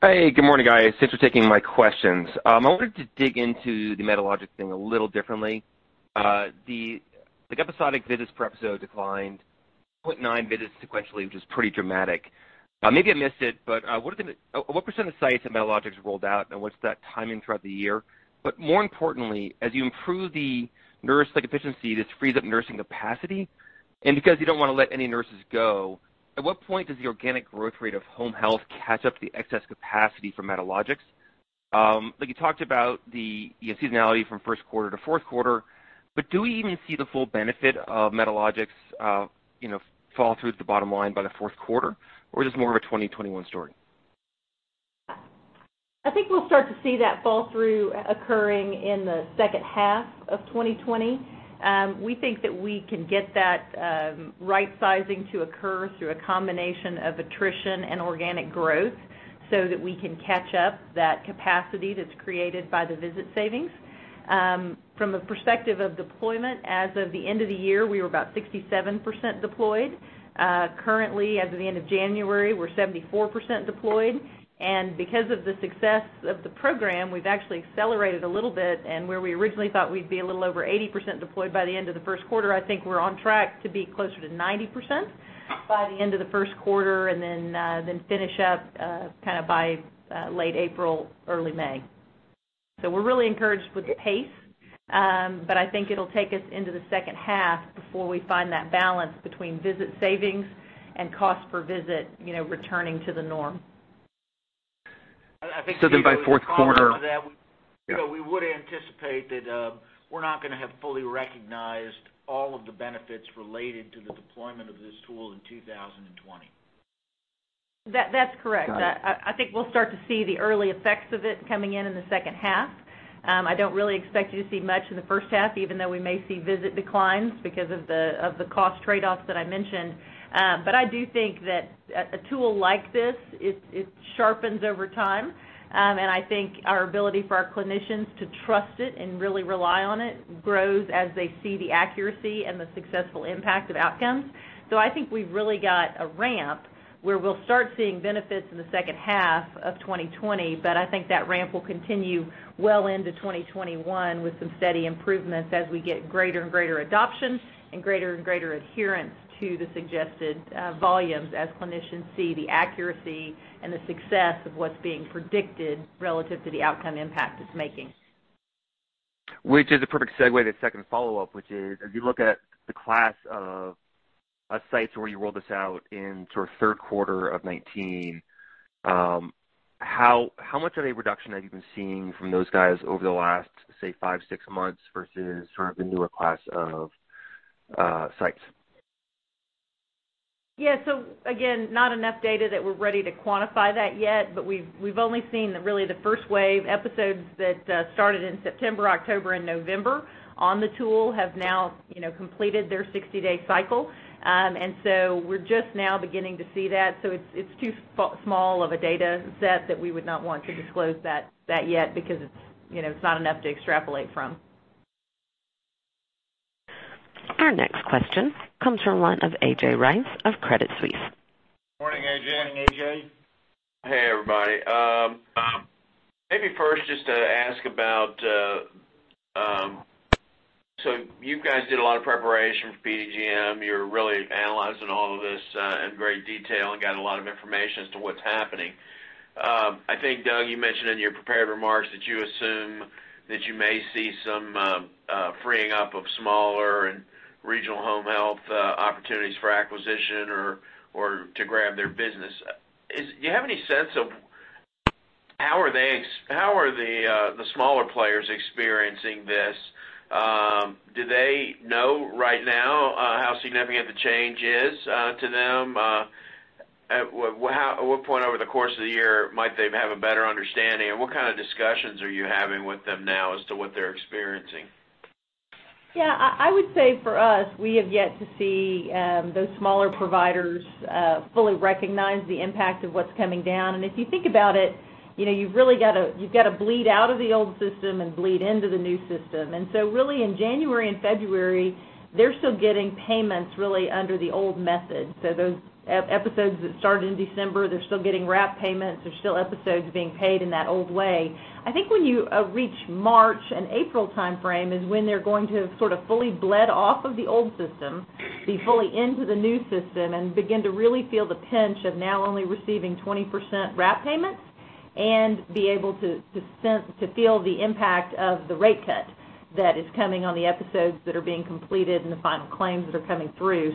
Hey, good morning, guys. Thanks for taking my questions. I wanted to dig into the Medalogix thing a little differently. The episodic visits per episode declined 0.9 visits sequentially, which is pretty dramatic. What percent of sites have Medalogix rolled out, and what's that timing throughout the year? More importantly, as you improve the nurse efficiency, this frees up nursing capacity. Because you don't want to let any nurses go, at what point does the organic growth rate of home health catch up the excess capacity for Medalogix? You talked about the seasonality from Q1 to Q4, but do we even see the full benefit of Medalogix fall through the bottom line by the Q4? Is this more of a 2021 story? I think we'll start to see that fall through occurring in the H2 of 2020. We think that we can get that right sizing to occur through a combination of attrition and organic growth so that we can catch up that capacity that's created by the visit savings. From a perspective of deployment, as of the end of the year, we were about 67% deployed. Currently, as of the end of January, we're 74% deployed. Because of the success of the program, we've actually accelerated a little bit, and where we originally thought we'd be a little over 80% deployed by the end of Q1, I think we're on track to be closer to 90% by the end of Q1, and then finish up kind of by late April, early May. We're really encouraged with the pace. I think it'll take us into the H2 before we find that balance between visit savings and cost per visit returning to the norm. We anticipate that we're not going to have fully recognized all of the benefits related to the deployment of this tool in 2020. That's correct. Got it. I think we'll start to see the early effects of it coming in the H2. I don't really expect you to see much in the H1, even though we may see visit declines because of the cost trade-offs that I mentioned. I do think that a tool like this, it sharpens over time, and I think our ability for our clinicians to trust it and really rely on it grows as they see the accuracy and the successful impact of outcomes. I think we've really got a ramp where we'll start seeing benefits in the H2 of 2020, but I think that ramp will continue well into 2021 with some steady improvements as we get greater and greater adoption and greater and greater adherence to the suggested volumes as clinicians see the accuracy and the success of what's being predicted relative to the outcome impact it's making. Which is a perfect segue to the second follow-up, which is, as you look at the class of sites where you rolled this out in Q3 of 2019, how much of a reduction have you been seeing from those guys over the last, say, five, six months versus the newer class of sites? Yeah. Again, not enough data that we're ready to quantify that yet, but we've only seen really the first wave episodes that started in September, October, and November on the tool have now completed their 60-day cycle. We're just now beginning to see that. It's too small of a data set that we would not want to disclose that yet because it's not enough to extrapolate from. Our next question comes from the line of A.J. Rice of Credit Suisse. Morning, A.J. Morning, A.J. Hey, everybody. Maybe first just to ask about, you guys did a lot of preparation for PDGM. You're really analyzing all of this in great detail and got a lot of information as to what's happening. I think, Douglas, you mentioned in your prepared remarks that you assume that you may see some freeing up of smaller and regional home health opportunities for acquisition or to grab their business. Do you have any sense of how are the smaller players experiencing this? Do they know right now how significant the change is to them? At what point over the course of the year might they have a better understanding, and what kind of discussions are you having with them now as to what they're experiencing? Yeah. I would say for us, we have yet to see those smaller providers fully recognize the impact of what's coming down. If you think about it, you've got to bleed out of the old system and bleed into the new system. Really, in January and February, they're still getting payments really under the old method. Those episodes that started in December, they're still getting wrap payments. There's still episodes being paid in that old way. I think when you reach March and April timeframe is when they're going to fully bled off of the old system, be fully into the new system, and begin to really feel the pinch of now only receiving 20% RAP payments and be able to feel the impact of the rate cut that is coming on the episodes that are being completed and the final claims that are coming through.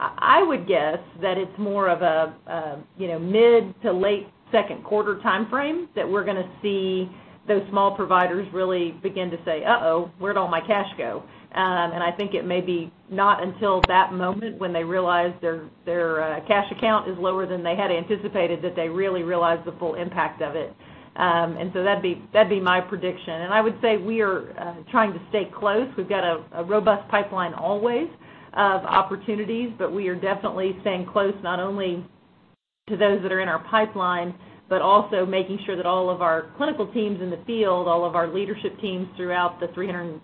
I would guess that it's more of a mid to late Q2 timeframe that we're going to see those small providers really begin to say, "Uh-oh, where'd all my cash go?" I think it may be not until that moment when they realize their cash account is lower than they had anticipated, that they really realize the full impact of it. That'd be my prediction. I would say we are trying to stay close. We've got a robust pipeline always of opportunities, but we are definitely staying close, not only to those that are in our pipeline, but also making sure that all of our clinical teams in the field, all of our leadership teams throughout the 300,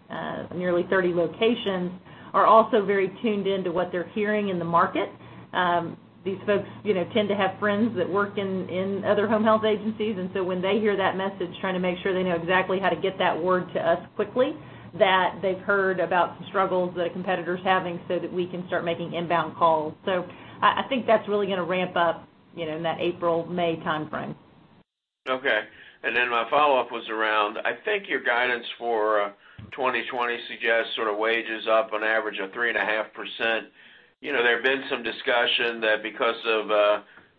nearly 330 locations, are also very tuned in to what they're hearing in the market. These folks tend to have friends that work in other home health agencies, and so when they hear that message, trying to make sure they know exactly how to get that word to us quickly, that they've heard about some struggles that a competitor's having so that we can start making inbound calls. I think that's really going to ramp up in that April, May timeframe. Okay. My follow-up was around, I think your guidance for 2020 suggests wages up on average of 3.5%. There have been some discussion that because of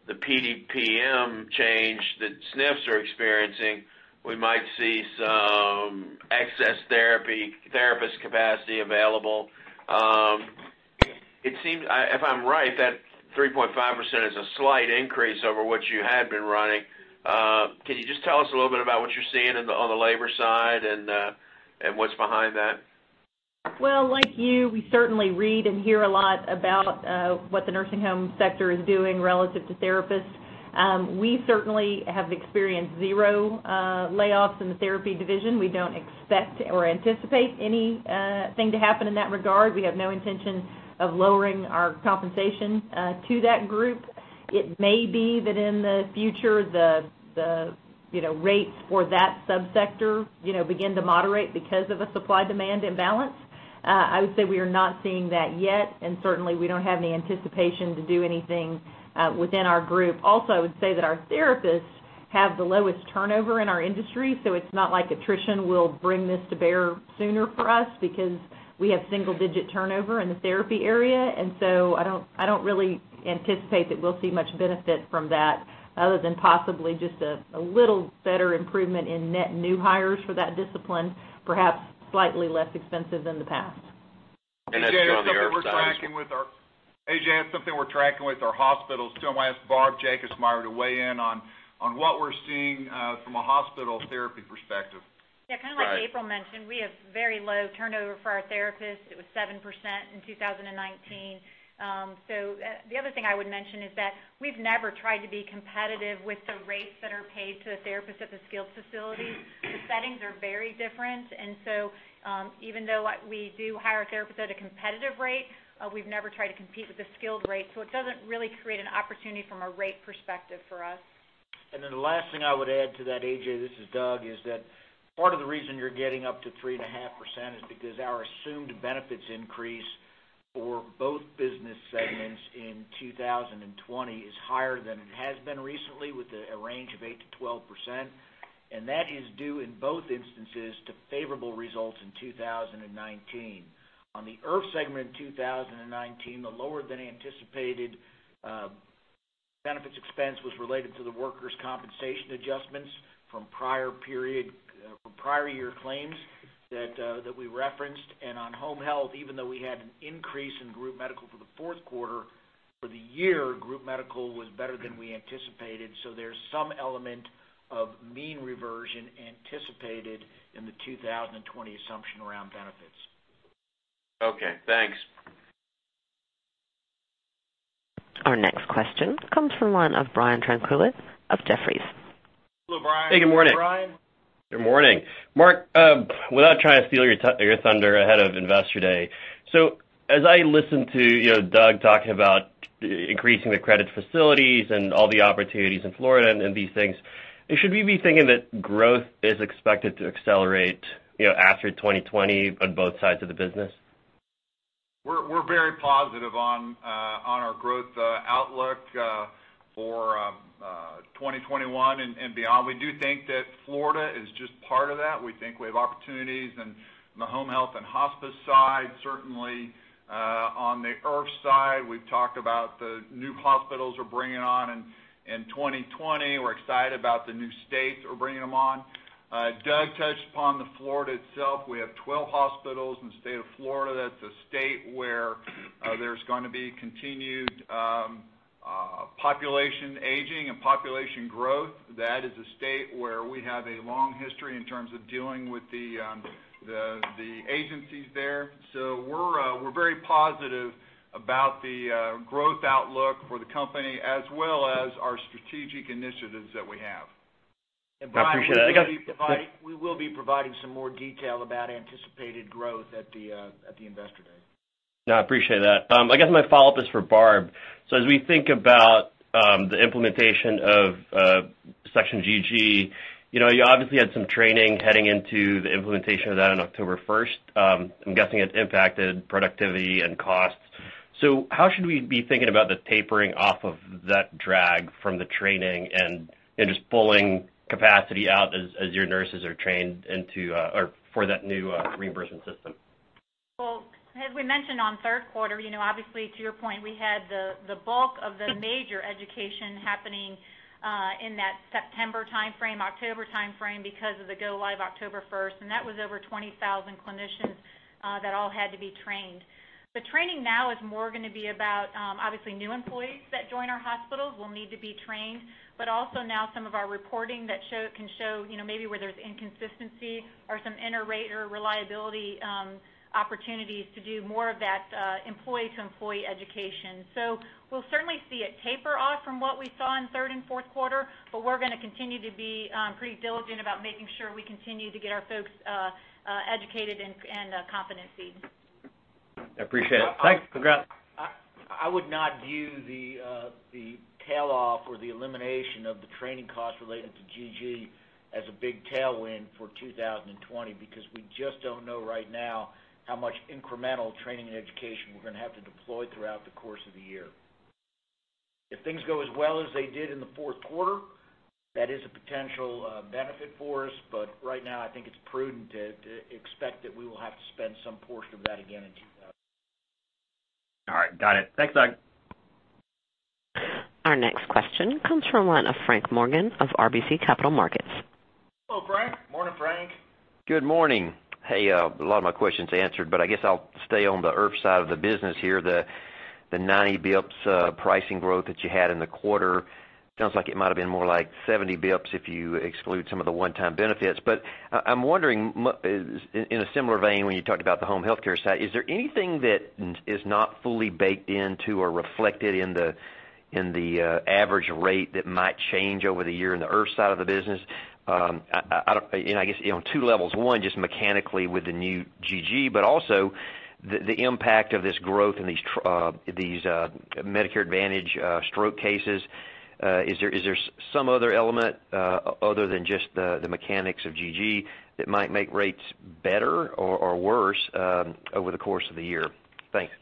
the PDPM change that SNFs are experiencing, we might see some excess therapist capacity available. If I'm right, that 3.5% is a slight increase over what you had been running. Can you just tell us a little bit about what you're seeing on the labor side and what's behind that? Well, like you, we certainly read and hear a lot about what the nursing home sector is doing relative to therapists. We certainly have experienced zero layoffs in the therapy division. We don't expect or anticipate anything to happen in that regard. We have no intention of lowering our compensation to that group. It may be that in the future, the rates for that subsector begin to moderate because of a supply-demand imbalance. I would say we are not seeing that yet. Certainly, we don't have any anticipation to do anything within our group. I would say that our therapists have the lowest turnover in our industry. It's not like attrition will bring this to bear sooner for us because we have single-digit turnover in the therapy area. I don't really anticipate that we'll see much benefit from that other than possibly just a little better improvement in net new hires for that discipline, perhaps slightly less expensive than the past. A.J., that's something we're tracking with our hospitals, too. I'm going to ask Barbara Jacobsmeyer to weigh in on what we're seeing from a hospital therapy perspective. Yeah. Like April mentioned, we have very low turnover for our therapists. It was 7% in 2019. The other thing I would mention is that we've never tried to be competitive with the rates that are paid to the therapists at the skilled facility. The settings are very different. Even though we do hire therapists at a competitive rate, we've never tried to compete with the skilled rate. It doesn't really create an opportunity from a rate perspective for us. The last thing I would add to that, A.J., this is Douglas, is that part of the reason you're getting up to 3.5% is because our assumed benefits increase for both business segments in 2020 is higher than it has been recently, with a range of 8%-12%. That is due, in both instances, to favorable results in 2019. On the IRF segment in 2019, the lower than anticipated benefits expense was related to the workers' compensation adjustments from prior year claims that we referenced. On home health, even though we had an increase in group medical for Q4, for the year, group medical was better than we anticipated. There's some element of mean reversion anticipated in the 2020 assumption around benefits. Okay, thanks. Our next question comes from the line of Brian Tanquilut of Jefferies. Hello, Brian. Hey, good morning. Good morning. Mark, without trying to steal your thunder ahead of Investor Day, so as I listen to Douglas talking about increasing the credit facilities and all the opportunities in Florida and these things, should we be thinking that growth is expected to accelerate after 2020 on both sides of the business? We're very positive on our growth outlook for 2021 and beyond. We do think that Florida is just part of that. We think we have opportunities in the home health and hospice side. Certainly, on the IRF side, we've talked about the new hospitals we're bringing on in 2020. We're excited about the new states we're bringing them on. Douglas touched upon the Florida itself. We have 12 hospitals in the state of Florida. That's a state where there's going to be continued population aging and population growth. That is a state where we have a long history in terms of dealing with the agencies there. We're very positive about the growth outlook for the company, as well as our strategic initiatives that we have. I appreciate it. Brian, we will be providing some more detail about anticipated growth at the Investor Day. No, I appreciate that. I guess my follow-up is for Barbara. As we think about the implementation of Section GG, you obviously had some training heading into the implementation of that on October 1st. I'm guessing it's impacted productivity and costs. How should we be thinking about the tapering off of that drag from the training and just pulling capacity out as your nurses are trained for that new reimbursement system? As we mentioned on Q3, obviously, to your point, we had the bulk of the major education happening in that September timeframe, October timeframe because of the go-live October 1st, and that was over 20,000 clinicians that all had to be trained. The training now is more going to be about, obviously, new employees that join our hospitals will need to be trained, but also now some of our reporting that can show maybe where there's inconsistency or some inter-rater reliability opportunities to do more of that employee to employee education. We'll certainly see it taper off from what we saw in Q3 and Q4, but we're going to continue to be pretty diligent about making sure we continue to get our folks educated and competency. I appreciate it. Thanks. I would not view the tail off or the elimination of the training costs related to GG as a big tailwind for 2020, because we just don't know right now how much incremental training and education we're going to have to deploy throughout the course of the year. If things go as well as they did in Q4, that is a potential benefit for us. Right now, I think it's prudent to expect that we will have to spend some portion of that again in 2020. All right, got it. Thanks, Douglas. Our next question comes from the line of Frank Morgan of RBC Capital Markets. Hello, Frank. Morning, Frank. Good morning. Hey, a lot of my questions answered, but I guess I'll stay on the IRF side of the business here. The 90 basis points pricing growth that you had in the quarter sounds like it might have been more like 70 basis points if you exclude some of the one-time benefits. I'm wondering, in a similar vein, when you talked about the home healthcare side, is there anything that is not fully baked into or reflected in the average rate that might change over the year in the IRF side of the business? I guess, on two levels. One, just mechanically with the new GG, also the impact of this growth in these Medicare Advantage stroke cases. Is there some other element other than just the mechanics of GG that might make rates better or worse over the course of the year? Thanks.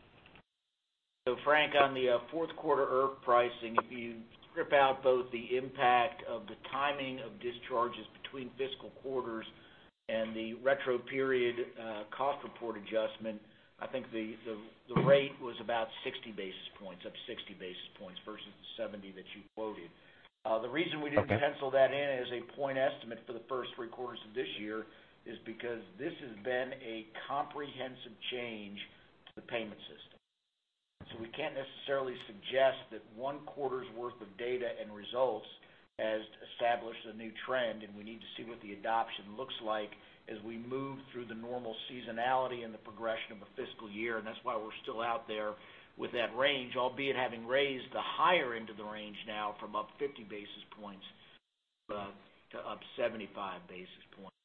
Frank, on the Q4 IRF pricing, if you strip out both the impact of the timing of discharges between fiscal quarters and the retro period cost report adjustment, I think the rate was about 60 basis points, up 60 basis points versus the 70 that you quoted. Okay. The reason we didn't pencil that in as a point estimate for the first three quarters of this year is because this has been a comprehensive change to the payment system. So we can't necessarily suggest that one quarter's worth of data and results has established a new trend, and we need to see what the adoption looks like as we move through the normal seasonality and the progression of a fiscal year. That's why we're still out there with that range, albeit having raised the higher end of the range now from up 50 basis points to up 75 basis points.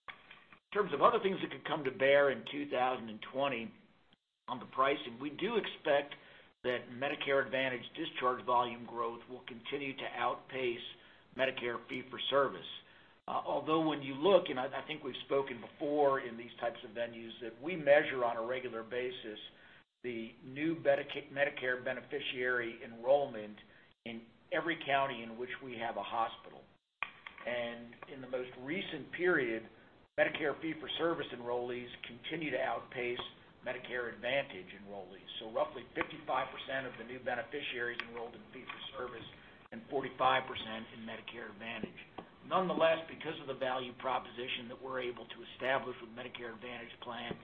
In terms of other things that could come to bear in 2020 on the pricing, we do expect that Medicare Advantage discharge volume growth will continue to outpace Medicare fee-for-service. When you look, and I think we've spoken before in these types of venues, that we measure on a regular basis the new Medicare beneficiary enrollment in every county in which we have a hospital. In the most recent period, Medicare fee-for-service enrollees continue to outpace Medicare Advantage enrollees. Roughly 55% of the new beneficiaries enrolled in fee-for-service and 45% in Medicare Advantage. Nonetheless, because of the value proposition that we're able to establish with Medicare Advantage plans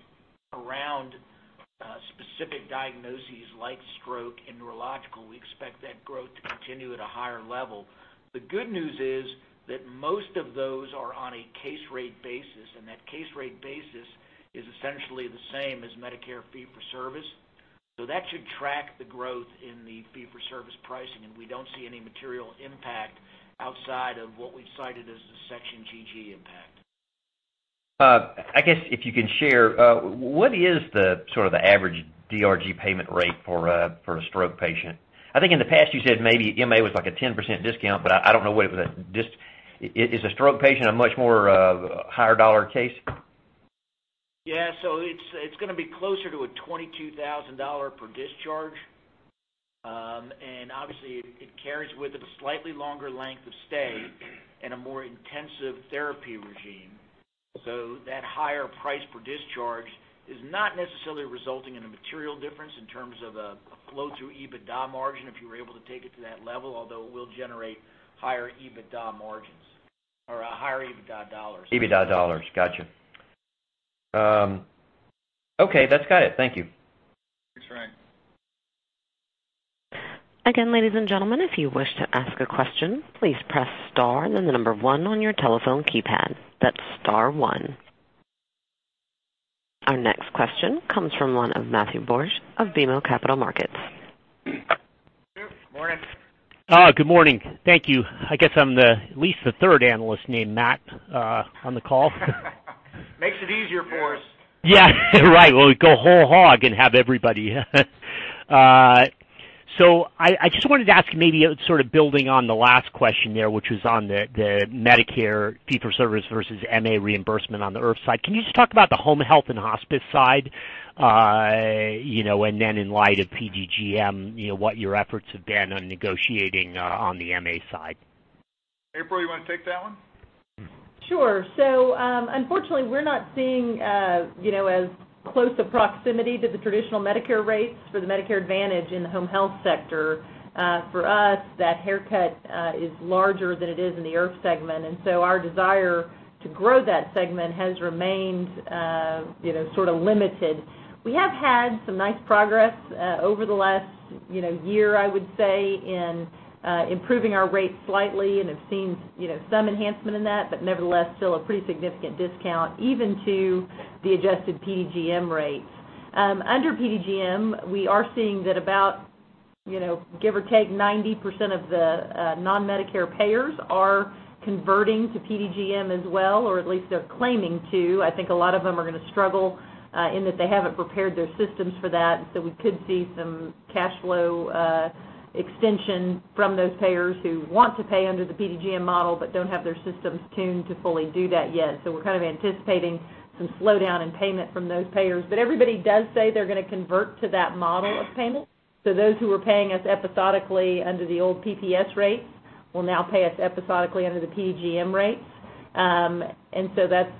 around specific diagnoses like stroke and neurological, we expect that growth to continue at a higher level. The good news is that most of those are on a case rate basis, and that case rate basis is essentially the same as Medicare fee-for-service. That should track the growth in the fee-for-service pricing, and we don't see any material impact outside of what we've cited as the Section GG impact. I guess if you can share, what is the sort of the average DRG payment rate for a stroke patient? I think in the past you said maybe MA was like a 10% discount, but I don't know, is a stroke patient a much more higher dollar case? Yeah. It's going to be closer to a $22,000 per discharge. Obviously it carries with it a slightly longer length of stay and a more intensive therapy regime. That higher price per discharge is not necessarily resulting in a material difference in terms of a flow through EBITDA margin if you were able to take it to that level, although it will generate higher EBITDA margins or higher EBITDA dollars. EBITDA dollars. Got you. Okay, that's got it. Thank you. Thanks, Frank. Again, ladies and gentlemen, if you wish to ask a question, please press star then the number one on your telephone keypad. That's star one. Our next question comes from the line of Matthew Borsch of BMO Capital Markets. Matthew, morning. Good morning. Thank you. I guess I'm at least the third analyst named Matthew on the call. Makes it easier for us. Yeah, right. Well, we go whole hog and have everybody. I just wanted to ask maybe sort of building on the last question there, which was on the Medicare fee-for-service versus MA reimbursement on the IRF side. Can you just talk about the home health and hospice side? Then in light of PDGM, what your efforts have been on negotiating on the MA side. April, you want to take that one? Sure. Unfortunately, we're not seeing as close a proximity to the traditional Medicare rates for the Medicare Advantage in the home health sector. For us, that haircut is larger than it is in the IRF segment, our desire to grow that segment has remained sort of limited. We have had some nice progress over the last year, I would say, in improving our rates slightly and have seen some enhancement in that, nevertheless, still a pretty significant discount even to the adjusted PDGM rates. Under PDGM, we are seeing that about give or take 90% of the non-Medicare payers are converting to PDGM as well, or at least they're claiming to. I think a lot of them are going to struggle in that they haven't prepared their systems for that. We could see some cash flow extension from those payers who want to pay under the PDGM model but don't have their systems tuned to fully do that yet. We're kind of anticipating some slowdown in payment from those payers. Everybody does say they're going to convert to that model of payment. Those who are paying us episodically under the old PPS rates will now pay us episodically under the PDGM rates. That's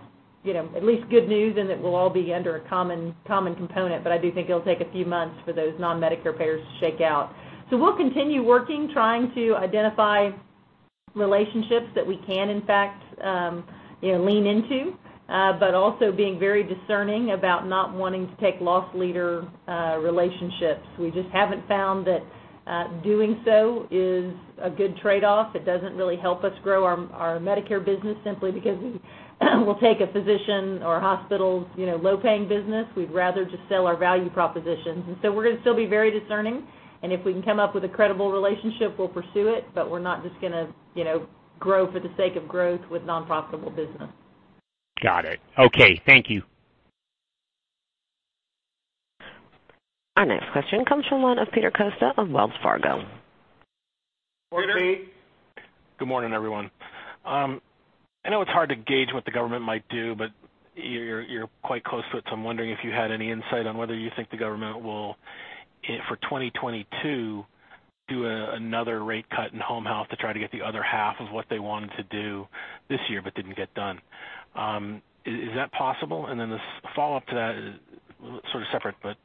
at least good news in that we'll all be under a common component, but I do think it'll take a few months for those non-Medicare payers to shake out. We'll continue working, trying to identify relationships that we can in fact lean into. Also being very discerning about not wanting to take loss leader relationships. We just haven't found that doing so is a good trade-off. It doesn't really help us grow our Medicare business simply because we'll take a physician or a hospital's low-paying business. We'd rather just sell our value propositions. We're going to still be very discerning, and if we can come up with a credible relationship, we'll pursue it, but we're not just going to grow for the sake of growth with non-profitable business. Got it. Okay. Thank you. Our next question comes from the line of Peter Costa of Wells Fargo. Good morning. Good morning, everyone. I know it's hard to gauge what the government might do, but you're quite close with, so I'm wondering if you had any insight on whether you think the government will, for 2022, do another rate cut in home health to try to get the other half of what they wanted to do this year but didn't get done. Is that possible? The follow-up to that is sort of separate, but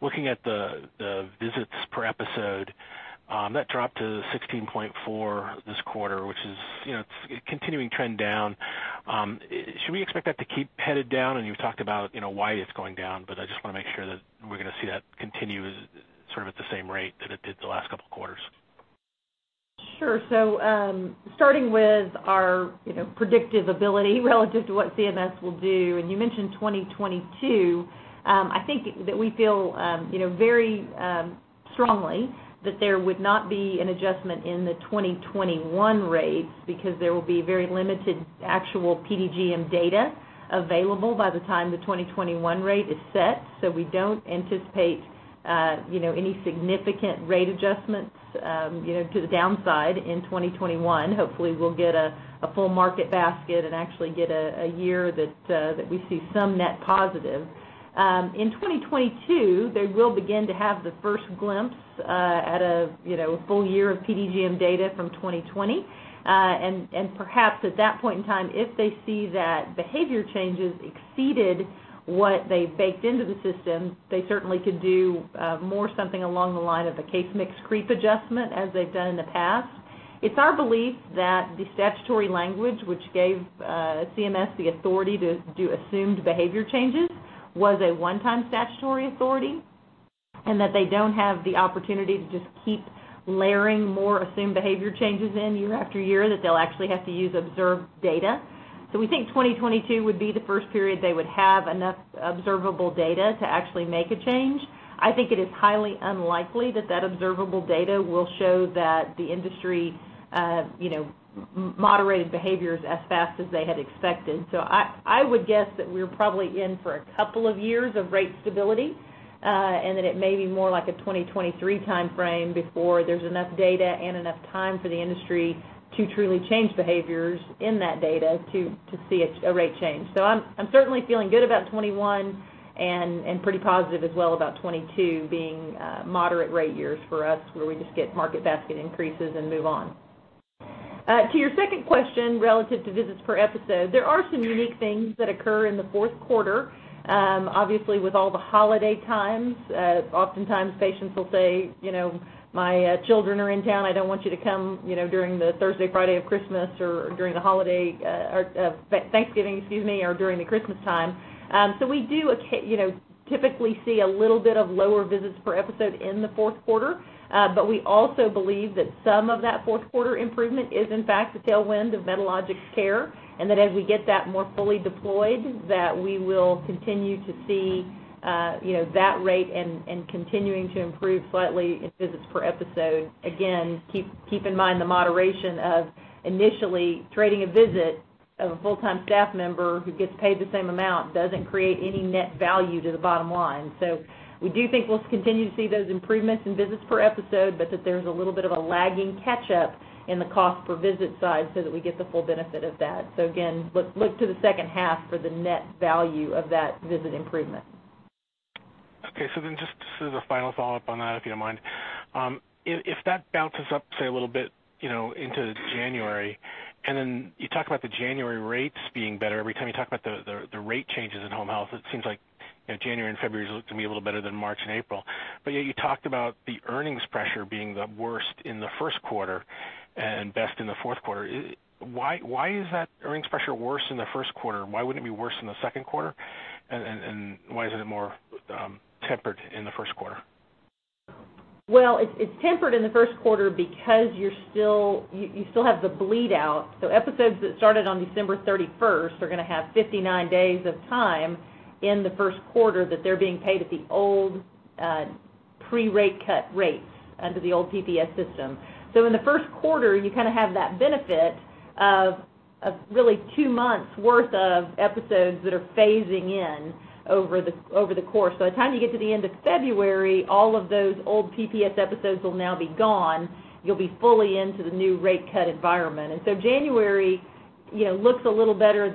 looking at the visits per episode That dropped to 16.4 this quarter, which is a continuing trend down. Should we expect that to keep headed down? You've talked about why it's going down, I just want to make sure that we're going to see that continue at the same rate that it did the last couple of quarters. Sure. Starting with our predictive ability relative to what CMS will do, and you mentioned 2022, I think that we feel very strongly that there would not be an adjustment in the 2021 rates because there will be very limited actual PDGM data available by the time the 2021 rate is set. We don't anticipate any significant rate adjustments to the downside in 2021. Hopefully, we'll get a full market basket and actually get a year that we see some net positive. In 2022, they will begin to have the first glimpse at a full year of PDGM data from 2020. Perhaps at that point in time, if they see that behavior changes exceeded what they baked into the system, they certainly could do more something along the line of a case mix creep adjustment as they've done in the past. It's our belief that the statutory language, which gave CMS the authority to do assumed behavior changes, was a one-time statutory authority, and that they don't have the opportunity to just keep layering more assumed behavior changes in year after year, that they'll actually have to use observed data. We think 2022 would be the first period they would have enough observable data to actually make a change. I think it is highly unlikely that that observable data will show that the industry moderated behaviors as fast as they had expected. I would guess that we're probably in for a couple of years of rate stability, and that it may be more like a 2023 timeframe before there's enough data and enough time for the industry to truly change behaviors in that data to see a rate change. I'm certainly feeling good about 2021 and pretty positive as well about 2022 being moderate rate years for us, where we just get market basket increases and move on. To your second question, relative to visits per episode, there are some unique things that occur in Q4. Obviously, with all the holiday times, oftentimes patients will say, "My children are in town. I don't want you to come during the Thursday, Friday of Christmas or during the Thanksgiving or during the Christmas time." We do typically see a little bit of lower visits per episode in Q4. We also believe that some of that Q4 improvement is in fact a tailwind of Medalogix Care, and that as we get that more fully deployed, that we will continue to see that rate and continuing to improve slightly in visits per episode. Keep in mind the moderation of initially trading a visit of a full-time staff member who gets paid the same amount doesn't create any net value to the bottom line. We do think we'll continue to see those improvements in visits per episode, but that there's a little bit of a lagging catch-up in the cost per visit side so that we get the full benefit of that. Look to the H2 for the net value of that visit improvement. Just a final follow-up on that, if you don't mind. If that bounces up, say, a little bit into January, then you talk about the January rates being better. Every time you talk about the rate changes in home health, it seems like January and February is looking to be a little better than March and April. Yet you talked about the earnings pressure being the worst in Q1 and best in Q4. Why is that earnings pressure worse in Q1? Why wouldn't it be worse in Q2? Why is it more tempered in Q1? Well, it's tempered in Q1 because you still have the bleed out. Episodes that started on December 31st are going to have 59 days of time in Q1 that they're being paid at the old pre-rate cut rates under the old PPS system. In Q1, you have that benefit of really two months' worth of episodes that are phasing in over the course. By the time you get to the end of February, all of those old PPS episodes will now be gone. You'll be fully into the new rate cut environment. Q1 looks a little better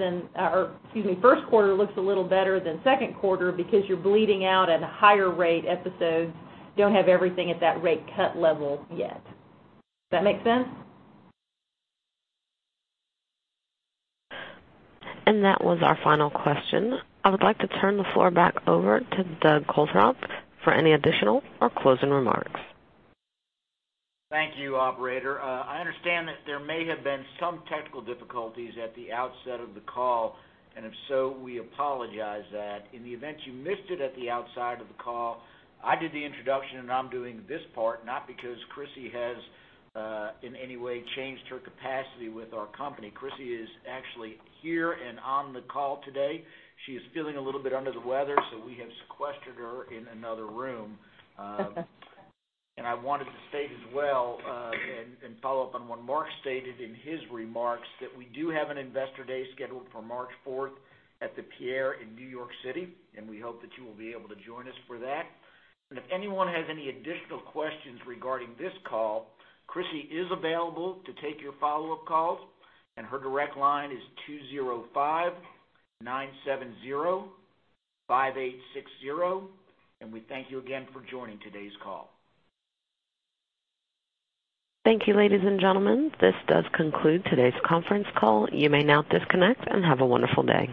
than Q2 because you're bleeding out at a higher rate episode. Don't have everything at that rate cut level yet. Does that make sense? That was our final question. I would like to turn the floor back over to Douglas Coltharp for any additional or closing remarks. Thank you, operator. I understand that there may have been some technical difficulties at the outset of the call, if so, we apologize that. In the event you missed it at the outset of the call, I did the introduction I'm doing this part, not because Crissy has in any way changed her capacity with our company. Crissy is actually here and on the call today. She is feeling a little bit under the weather, we have sequestered her in another room. I wanted to state as well, and follow up on what Mark stated in his remarks, that we do have an Investor Day scheduled for March 4th at The Pierre in New York City, and we hope that you will be able to join us for that. If anyone has any additional questions regarding this call, Crissy is available to take your follow-up calls and her direct line is 205-970-5860. We thank you again for joining today's call. Thank you, ladies and gentlemen. This does conclude today's conference call. You may now disconnect and have a wonderful day.